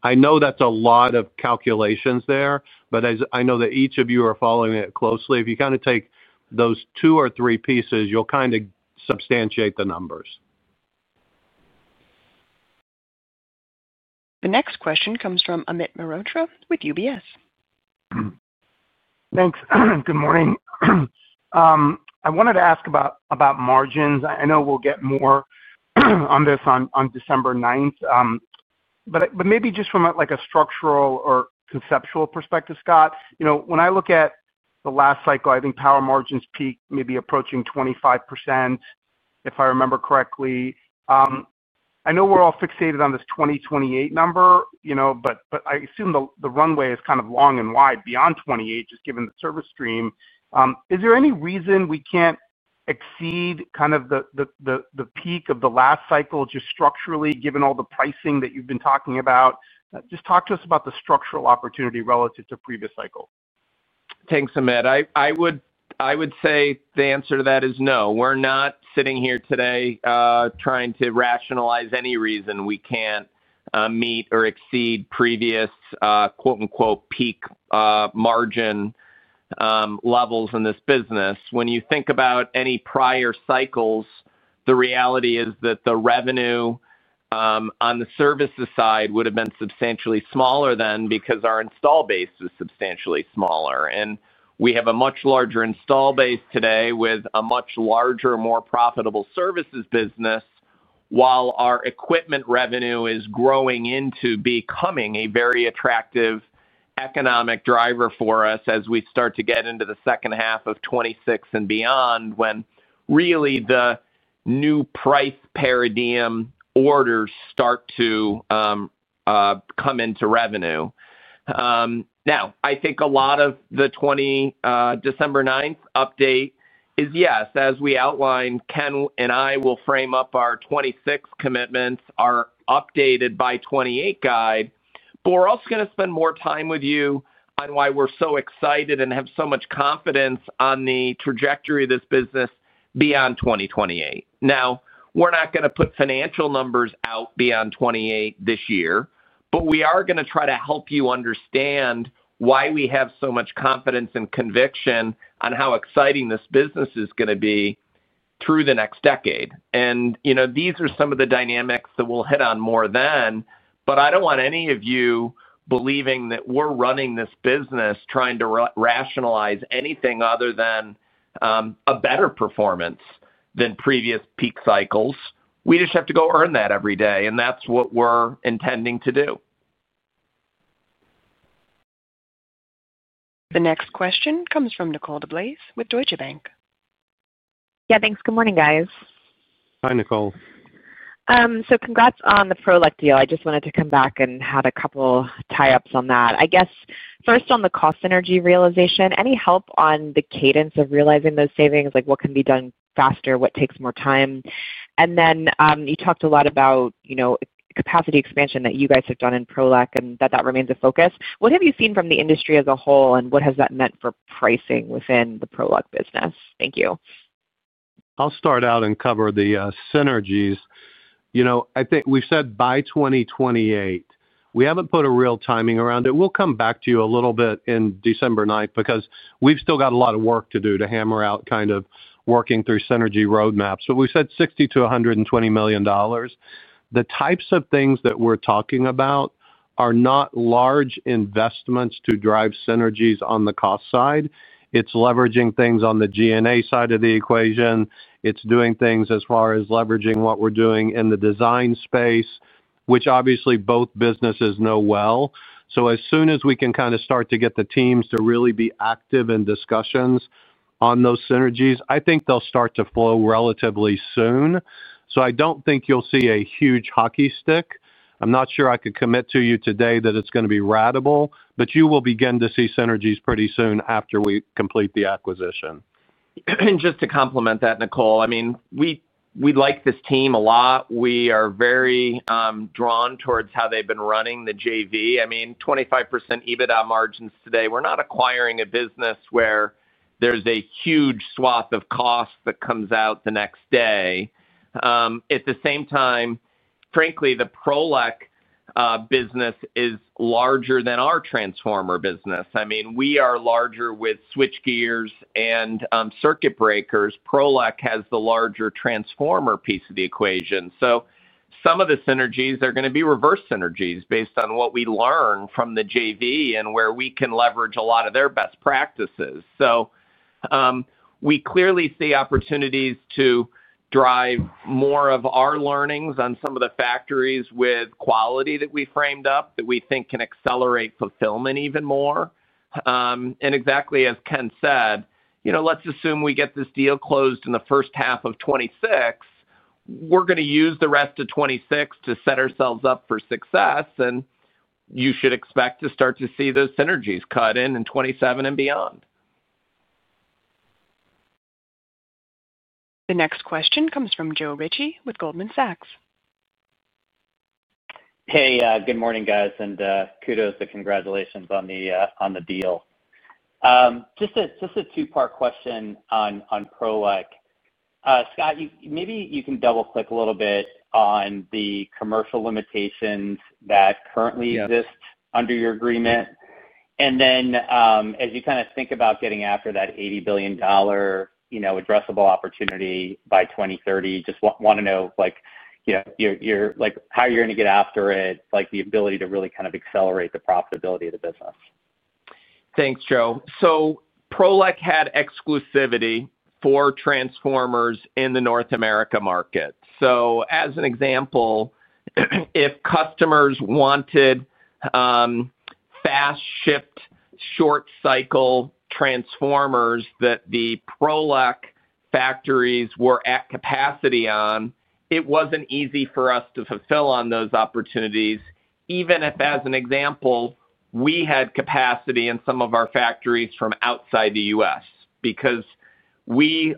I know that's a lot of calculations there, but I know that each of you are following it closely. If you kind of take those two or three pieces, you'll kind of substantiate the numbers. The next question comes from Amit Mehrotra with UBS. Thanks. Good morning. I wanted to ask about margins. I know we'll get more on this on December 9th, but maybe just from like a structural or conceptual perspective, Scott, you know when I look at the last cycle, I think power margins peaked maybe approaching 25% if I remember correctly. I know we're all fixated on this 2028 number, you know, but I assume the runway is kind of long and wide beyond 2028, just given the service stream. Is there any reason we can't exceed kind of the peak of the last cycle just structurally, given all the pricing that you've been talking about? Just talk to us about the structural opportunity relative to previous cycle. Thanks, Amit. I would say the answer to that is no. We're not sitting here today trying to rationalize any reason we can't meet or exceed previous "peak margin" levels in this business. When you think about any prior cycles, the reality is that the revenue on the services side would have been substantially smaller then because our install base is substantially smaller. We have a much larger install base today with a much larger, more profitable services business, while our equipment revenue is growing into becoming a very attractive economic driver for us as we start to get into the second half of 2026 and beyond when really the new price paradigm orders start to come into revenue. I think a lot of the December 9th update is, yes, as we outlined, Ken and I will frame up our 2026 commitments, our updated 2028 guide. We're also going to spend more time with you on why we're so excited and have so much confidence on the trajectory of this business beyond 2028. We're not going to put financial numbers out beyond 2028 this year, but we are going to try to help you understand why we have so much confidence and conviction on how exciting this business is going to be through the next decade. These are some of the dynamics that we'll hit on more then, but I don't want any of you believing that we're running this business trying to rationalize anything other than a better performance than previous peak cycles. We just have to go earn that every day, and that's what we're intending to do. The next question comes from Nicole DeBlase with Deutsche Bank. Yeah, thanks. Good morning, guys. Hi, Nicole. Congratulations on the Prolec deal. I just wanted to come back and had a couple of tie-ups on that. I guess first on the cost synergy realization, any help on the cadence of realizing those savings? Like what can be done faster, what takes more time? You talked a lot about capacity expansion that you guys have done in Prolec and that remains a focus. What have you seen from the industry as a whole and what has that meant for pricing within the Prolec business? Thank you. I'll start out and cover the synergies. I think we've said by 2028. We haven't put a real timing around it. We'll come back to you a little bit in December 9th because we've still got a lot of work to do to hammer out kind of working through synergy roadmaps. We've said $60 million-$120 million. The types of things that we're talking about are not large investments to drive synergies on the cost side. It's leveraging things on the G&A side of the equation. It's doing things as far as leveraging what we're doing in the design space, which obviously both businesses know well. As soon as we can kind of start to get the teams to really be active in discussions on those synergies, I think they'll start to flow relatively soon. I don't think you'll see a huge hockey stick. I'm not sure I could commit to you today that it's going to be ratable, but you will begin to see synergies pretty soon after we complete the acquisition. Just to complement that, Nicole, I mean, we like this team a lot. We are very drawn towards how they've been running the JV. I mean, 25% EBITDA margins today. We're not acquiring a business where there's a huge swath of cost that comes out the next day. At the same time, frankly, the Prolec business is larger than our transformer business. I mean, we are larger with switchgears and circuit breakers. Prolec has the larger transformer piece of the equation. Some of the synergies, they're going to be reverse synergies based on what we learn from the JV and where we can leverage a lot of their best practices. We clearly see opportunities to drive more of our learnings on some of the factories with quality that we framed up that we think can accelerate fulfillment even more. Exactly as Ken said, you know, let's assume we get this deal closed in the first half of 2026, we're going to use the rest of 2026 to set ourselves up for success. You should expect to start to see those synergies cut in in 2027 and beyond. The next question comes from Joe Ritchie with Goldman Sachs. Hey, good morning, guys, and kudos to congratulations on the deal. Just a two-part question on Prolec. Scott, maybe you can double-click a little bit on the commercial limitations that currently exist under your agreement. As you kind of think about getting after that $80 billion addressable opportunity by 2030, just want to know like how you're going to get after it, like the ability to really kind of accelerate the profitability of the business. Thanks, Joe. Prolec had exclusivity for transformers in the North America market. For example, if customers wanted fast-shipped, short-cycle transformers that the Prolec factories were at capacity on, it wasn't easy for us to fulfill on those opportunities, even if, for example, we had capacity in some of our factories from outside the U.S. because we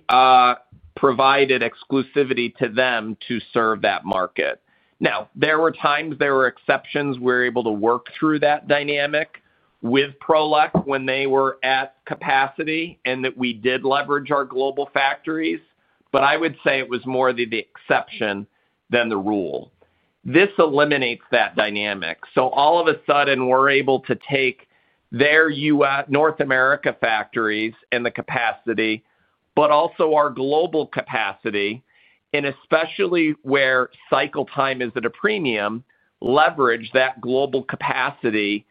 provided exclusivity to them to serve that market. There were times, there were exceptions. We were able to work through that dynamic with Prolec when they were at capacity and we did leverage our global factories, but I would say it was more the exception than the rule. This eliminates that dynamic. All of a sudden, we're able to take their North America factories and the capacity, but also our global capacity, and especially where cycle time is at a premium, leverage that global capacity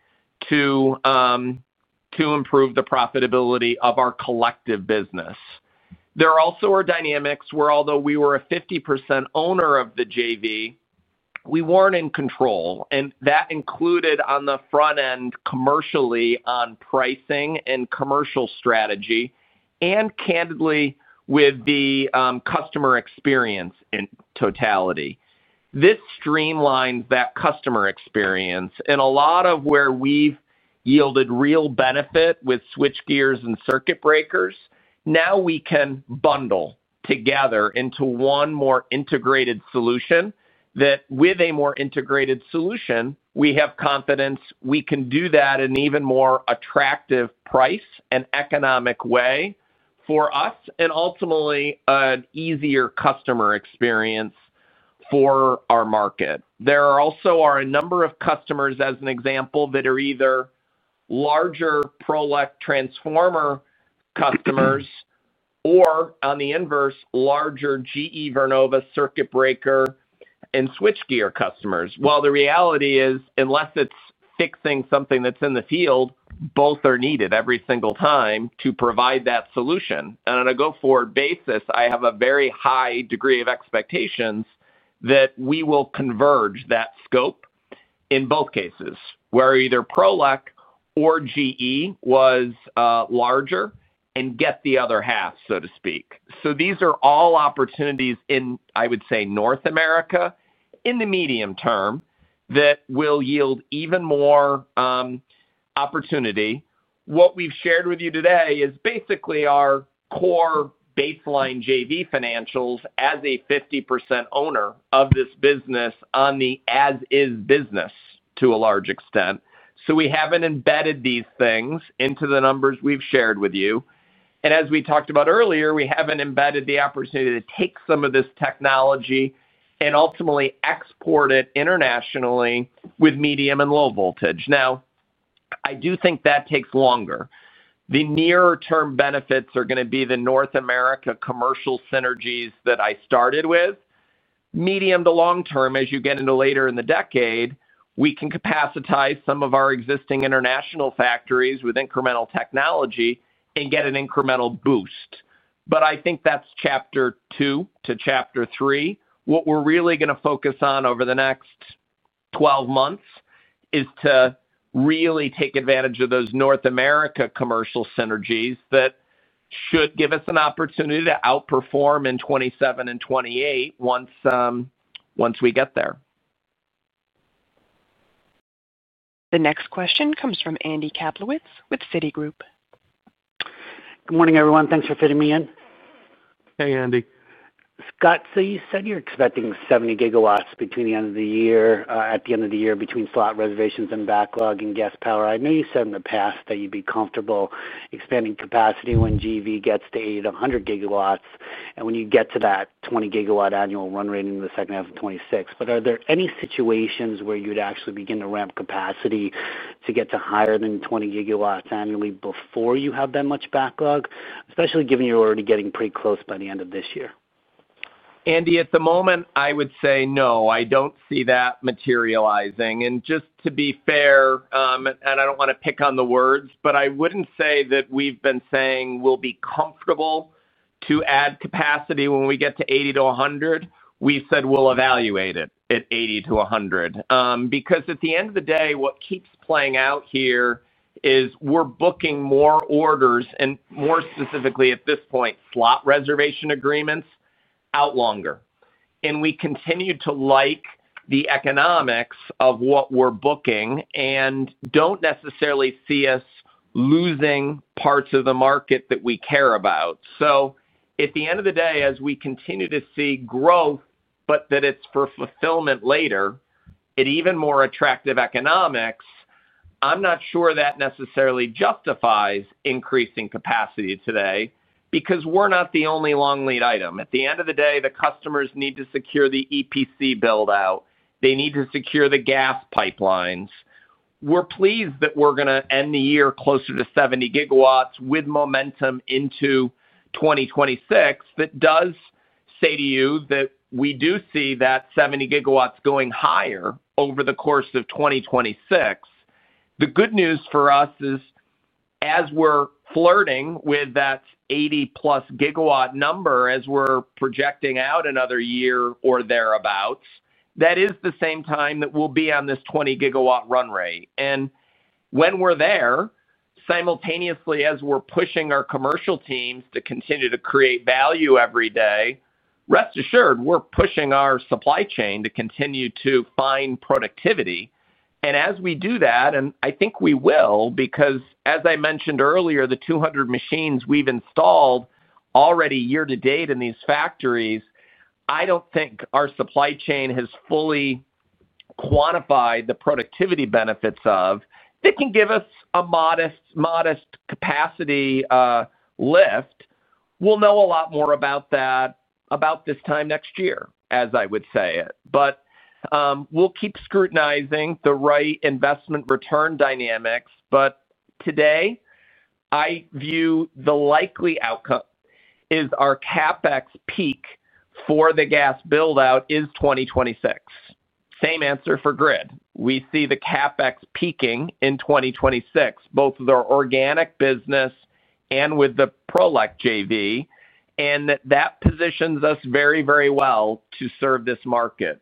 to improve the profitability of our collective business. There also are dynamics where, although we were a 50% owner of the JV, we weren't in control, and that included on the front end commercially on pricing and commercial strategy and, candidly, with the customer experience in totality. This streamlines that customer experience, and a lot of where we've yielded real benefit with switchgears and circuit breakers, now we can bundle together into one more integrated solution. With a more integrated solution, we have confidence we can do that in an even more attractive price and economic way for us and ultimately an easier customer experience for our market. There also are a number of customers, for example, that are either larger Prolec transformer customers or, on the inverse, larger GE Vernova circuit breaker and switchgear customers. The reality is, unless it's fixing something that's in the field, both are needed every single time to provide that solution. On a go-forward basis, I have a very high degree of expectations that we will converge that scope in both cases where either Prolec or GE was larger and get the other half, so to speak. These are all opportunities in, I would say, North America in the medium term that will yield even more opportunity. What we've shared with you today is basically our core baseline joint venture financials as a 50% owner of this business on the as-is business to a large extent. We haven't embedded these things into the numbers we've shared with you. As we talked about earlier, we haven't embedded the opportunity to take some of this technology and ultimately export it internationally with medium and low voltage. I do think that takes longer. The nearer-term benefits are going to be the North America commercial synergies that I started with. Medium to long term, as you get into later in the decade, we can capacitize some of our existing international factories with incremental technology and get an incremental boost. I think that's chapter two to chapter three. What we're really going to focus on over the next 12 months is to really take advantage of those North America commercial synergies that should give us an opportunity to outperform in 2027 and 2028 once we get there. The next question comes from Andy Kaplowitz with Citigroup. Good morning, everyone. Thanks for fitting me in. Hey, Andy. Scott, you said you're expecting 70 GW at the end of the year between slot reservations and backlog in gas power. I know you said in the past that you'd be comfortable expanding capacity when [JV] gets to 80 GW to 100 GW, and when you get to that 20 GW annual run rate in the second half of 2026. Are there any situations where you'd actually begin to ramp capacity to get to higher than 20 GW annually before you have that much backlog, especially given you're already getting pretty close by the end of this year? Andy, at the moment, I would say no. I don't see that materializing. Just to be fair, I don't want to pick on the words, but I wouldn't say that we've been saying we'll be comfortable to add capacity when we get to 80 GW to 100 GW. We've said we'll evaluate it at 80 GW to 100 GW because at the end of the day, what keeps playing out here is we're booking more orders and more specifically at this point, slot reservation agreements out longer. We continue to like the economics of what we're booking and don't necessarily see us losing parts of the market that we care about. At the end of the day, as we continue to see growth, but that it's for fulfillment later at even more attractive economics, I'm not sure that necessarily justifies increasing capacity today because we're not the only long lead item. At the end of the day, the customers need to secure the EPC build out. They need to secure the gas pipelines. We're pleased that we're going to end the year closer to 70 GW with momentum into 2026. That does say to you that we do see that 70 GW going higher over the course of 2026. The good news for us is as we're flirting with that 80+ GW number, as we're projecting out another year or thereabouts, that is the same time that we'll be on this 20 GW run rate. When we're there, simultaneously as we're pushing our commercial teams to continue to create value every day, rest assured we're pushing our supply chain to continue to find productivity. As we do that, and I think we will, because as I mentioned earlier, the 200 machines we've installed already year to date in these factories, I don't think our supply chain has fully quantified the productivity benefits of that can give us a modest, modest capacity lift. We'll know a lot more about that about this time next year, as I would say it. We'll keep scrutinizing the right investment return dynamics. Today I view the likely outcome is our CapEx peak for the gas build out is 2026. Same answer for grid. We see the CapEx peaking in 2026, both with our organic business and with the Prolec JV, and that positions us very, very well to serve this market.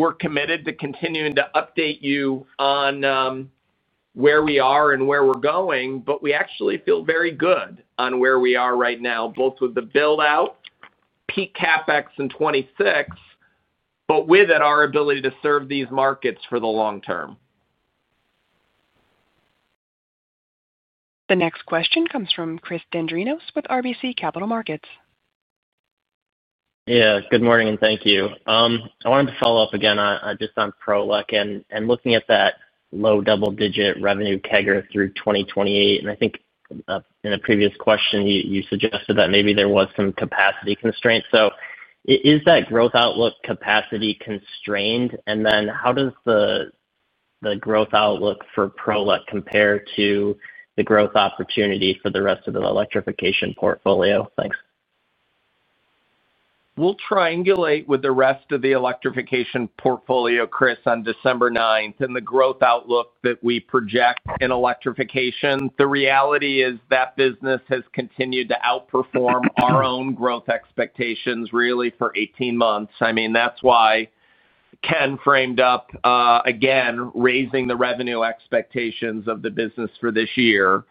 We're committed to continuing to update you on where we are and where we're going. We actually feel very good on where we are right now, both with the build out peak CapEx in 2026, but with our ability to serve these markets for the long term. The next question comes from Chris Dendrinos with RBC Capital Markets. Yeah, good morning and thank you. I wanted to follow up again just on Prolec and looking at that low double-digit revenue CAGR through 2028. I think in a previous question you suggested that maybe there was some capacity constraints. Is that growth outlook capacity constrained? How does the growth outlook for Prolec compare to the growth opportunity for the rest of the electrification portfolio? Thanks. We'll triangulate with the rest of the electrification portfolio, Chris, on December 9th and the growth outlook that we project in electrification. The reality is that business has continued to outperform our own growth expectations really for 18 months. That is why Ken framed up again, raising the revenue expectations of the business for this year.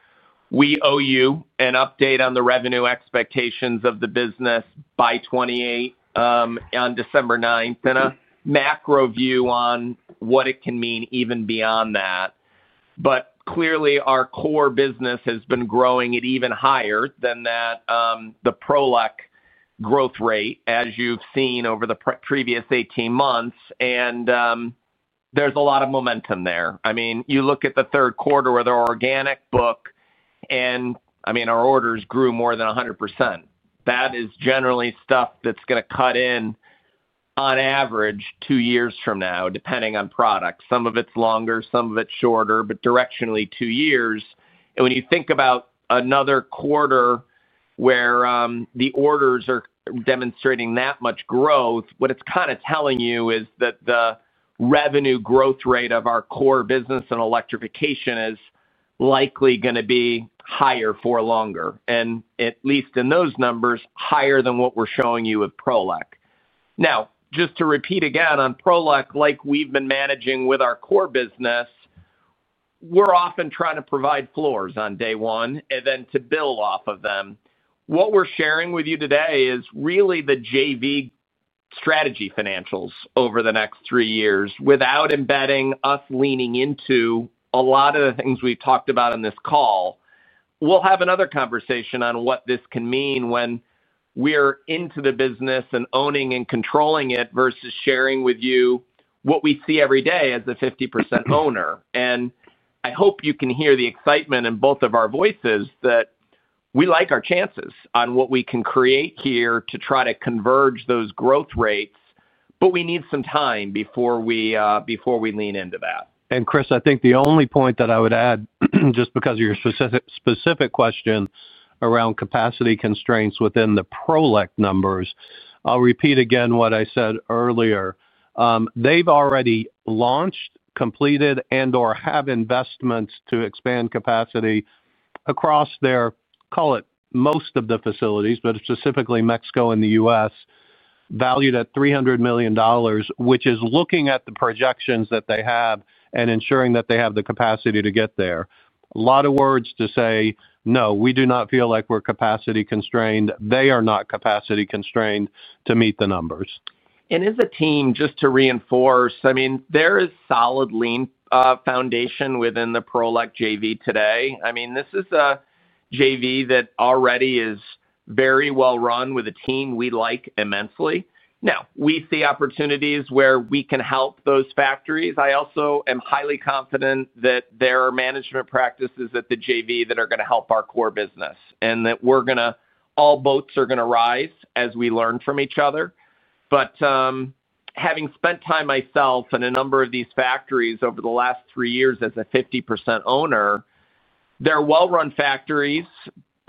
We owe you an update on the revenue expectations of the business by 2028, on December 9th, and a macro view on what it can mean even beyond that. Clearly, our core business has been growing at even higher than that, the Prolec growth rate, as you've seen over the previous 18 months. There's a lot of momentum there. You look at the third quarter of their organic book and our orders grew more than 100%. That is generally stuff that's going to cut in on average two years from now, depending on product. Some of it's longer, some of it's shorter, but directionally two years. When you think about another quarter where the orders are demonstrating that much growth, what it's kind of telling you is that the revenue growth rate of our core business in electrification is likely going to be higher for longer, and at least in those numbers, higher than what we're showing you with Prolec. Just to repeat again on Prolec, like we've been managing with our core business, we're often trying to provide floors on day one and then to build off of them. What we're sharing with you today is really the JV strategy financials over the next three years without embedding us leaning into a lot of the things we've talked about on this call. We'll have another conversation on what this can mean when we're into the business and owning and controlling it versus sharing with you what we see every day as a 50% owner. I hope you can hear the excitement in both of our voices that we like our chances on what we can create here to try to converge those growth rates. We need some time before we lean into that. Chris, I think the only point that I would add, just because of your specific question around capacity constraints within the Prolec numbers, I'll repeat again what I said earlier. They've already launched, completed, and/or have investments to expand capacity across their, call it, most of the facilities, but specifically Mexico and the U.S., valued at $300 million, which is looking at the projections that they have and ensuring that they have the capacity to get there. A lot of words to say, no, we do not feel like we're capacity constrained. They are not capacity constrained to meet the numbers. Just to reinforce, there is a solid lean foundation within the Prolec JV today. This is a JV that already is very well run with a team we like immensely. We see opportunities where we can help those factories. I also am highly confident that there are management practices at the JV that are going to help our core business and that all boats are going to rise as we learn from each other. Having spent time myself in a number of these factories over the last three years as a 50% owner, they're well-run factories,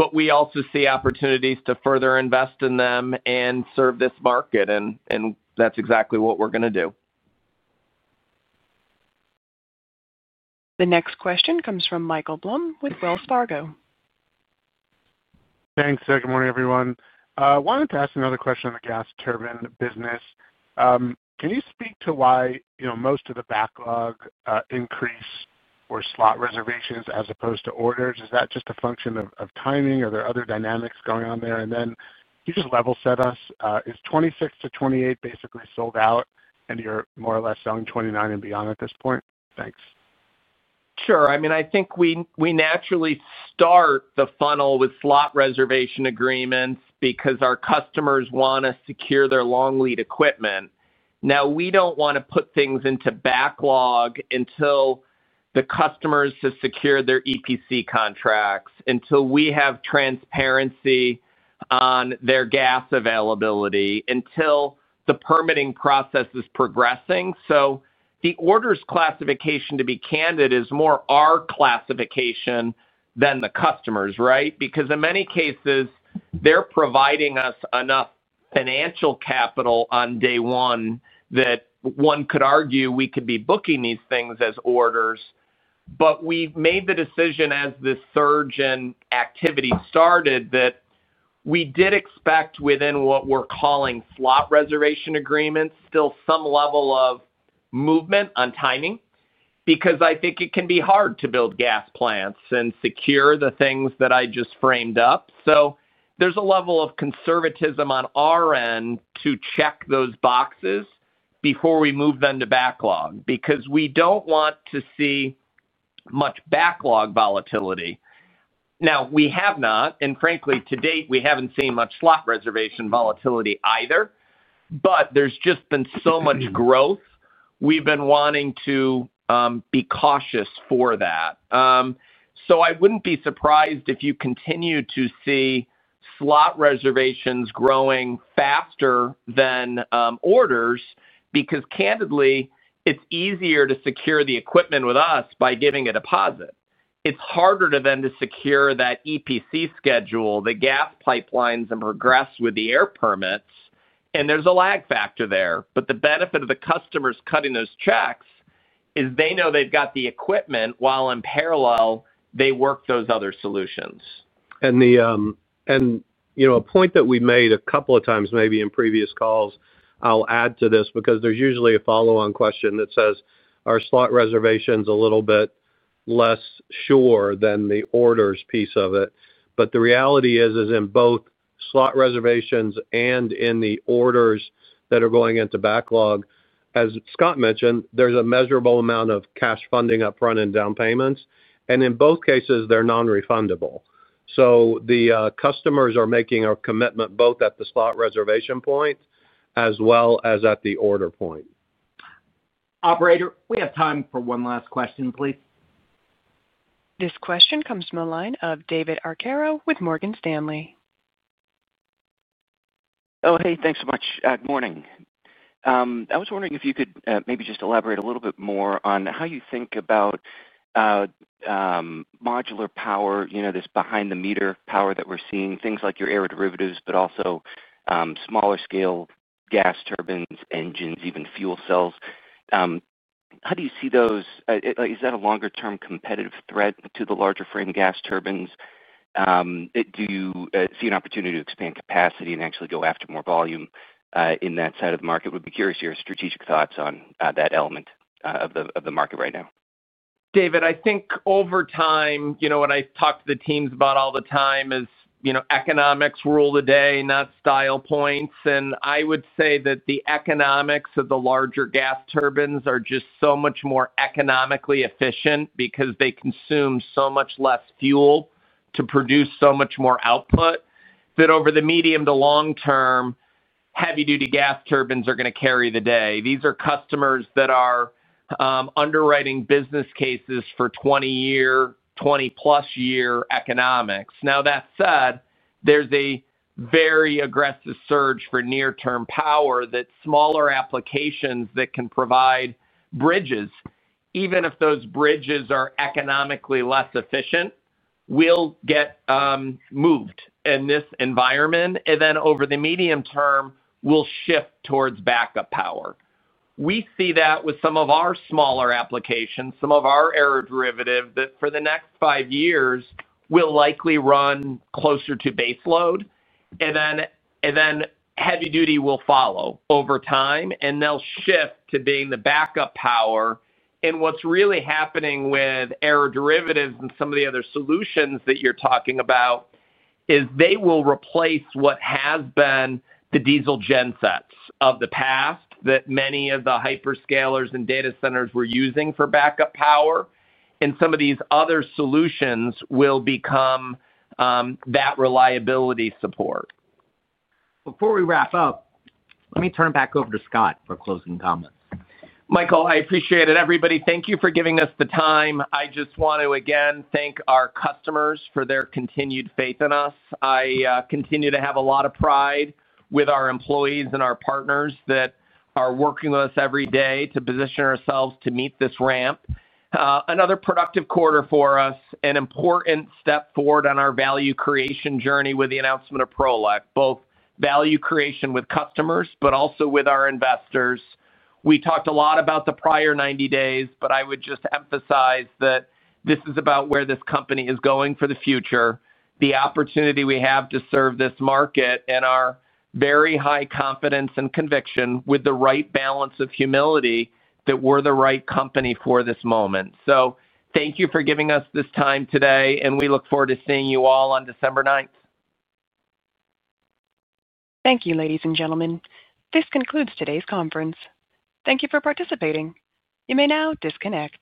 but we also see opportunities to further invest in them and serve this market. That's exactly what we're going to do. The next question comes from Michael Blum with Wells Fargo. Thanks. Good morning, everyone. I wanted to ask another question on the gas turbine business. Can you speak to why most of the backlog increase or slot reservations as opposed to orders? Is that just a function of timing? Are there other dynamics going on there? Can you just level set us? Is 2026 to 2028 basically sold out and you're more or less selling 2029 and beyond at this point? Thanks. Sure. I mean, I think we naturally start the funnel with slot reservation agreements because our customers want to secure their long lead equipment. We don't want to put things into backlog until the customers have secured their EPC contracts, until we have transparency on their gas availability, until the permitting process is progressing. The orders classification, to be candid, is more our classification than the customers, right? In many cases, they're providing us enough financial capital on day one that one could argue we could be booking these things as orders. We made the decision as this surge in activity started that we did expect within what we're calling slot reservation agreements, still some level of movement on timing, because I think it can be hard to build gas plants and secure the things that I just framed up. There's a level of conservatism on our end to check those boxes before we move them to backlog, because we don't want to see much backlog volatility. We have not, and frankly, to date, we haven't seen much slot reservation volatility either. There's just been so much growth. We've been wanting to be cautious for that. I wouldn't be surprised if you continue to see slot reservations growing faster than orders, because candidly, it's easier to secure the equipment with us by giving a deposit. It's harder to then secure that EPC schedule, the gas pipelines, and progress with the air permits. There's a lag factor there. The benefit of the customers cutting those checks is they know they've got the equipment while in parallel they work those other solutions. A point that we made a couple of times, maybe in previous calls, I'll add to this because there's usually a follow-on question that says are slot reservations a little bit less sure than the orders piece of it. The reality is, in both slot reservations and in the orders that are going into backlog, as Scott mentioned, there's a measurable amount of cash funding upfront and down payments. In both cases, they're non-refundable. The customers are making a commitment both at the slot reservation point as well as at the order point. Operator, we have time for one last question, please. This question comes from a line of David Arcaro with Morgan Stanley. Oh, hey, thanks so much. Good morning. I was wondering if you could maybe just elaborate a little bit more on how you think about modular power, you know, this behind-the-meter power that we're seeing, things like aeroderivatives, but also smaller scale gas turbines, engines, even fuel cells. How do you see those? Is that a longer-term competitive threat to the larger frame gas turbines? Do you see an opportunity to expand capacity and actually go after more volume in that side of the market? We'd be curious to hear your strategic thoughts on that element of the market right now. David, I think over time, what I talk to the teams about all the time is, you know, economics rule the day, not style points. I would say that the economics of the larger gas turbines are just so much more economically efficient because they consume so much less fuel to produce so much more output that over the medium to long term, heavy-duty gas turbines are going to carry the day. These are customers that are underwriting business cases for 20-year, 20+ year economics. That said, there's a very aggressive surge for near-term power that smaller applications that can provide bridges, even if those bridges are economically less efficient, will get moved in this environment. Over the medium term, we'll shift towards backup power. We see that with some of our smaller applications, some of our air derivatives that for the next five years will likely run closer to baseload. Heavy-duty will follow over time and they'll shift to being the backup power. What's really happening with aeroderivatives and some of the other solutions that you're talking about is they will replace what has been the diesel gen sets of the past that many of the hyperscalers and data centers were using for backup power. Some of these other solutions will become that reliability support. Before we wrap up, let me turn it back over to Scott for closing comments. Michael, I appreciate it. Everybody, thank you for giving us the time. I just want to again thank our customers for their continued faith in us. I continue to have a lot of pride with our employees and our partners that are working with us every day to position ourselves to meet this ramp. Another productive quarter for us, an important step forward on our value creation journey with the announcement of Prolec, both value creation with customers, but also with our investors. We talked a lot about the prior 90 days, but I would just emphasize that this is about where this company is going for the future, the opportunity we have to serve this market, and our very high confidence and conviction with the right balance of humility that we're the right company for this moment. Thank you for giving us this time today, and we look forward to seeing you all on December 9th. Thank you, ladies and gentlemen. This concludes today's conference. Thank you for participating. You may now disconnect.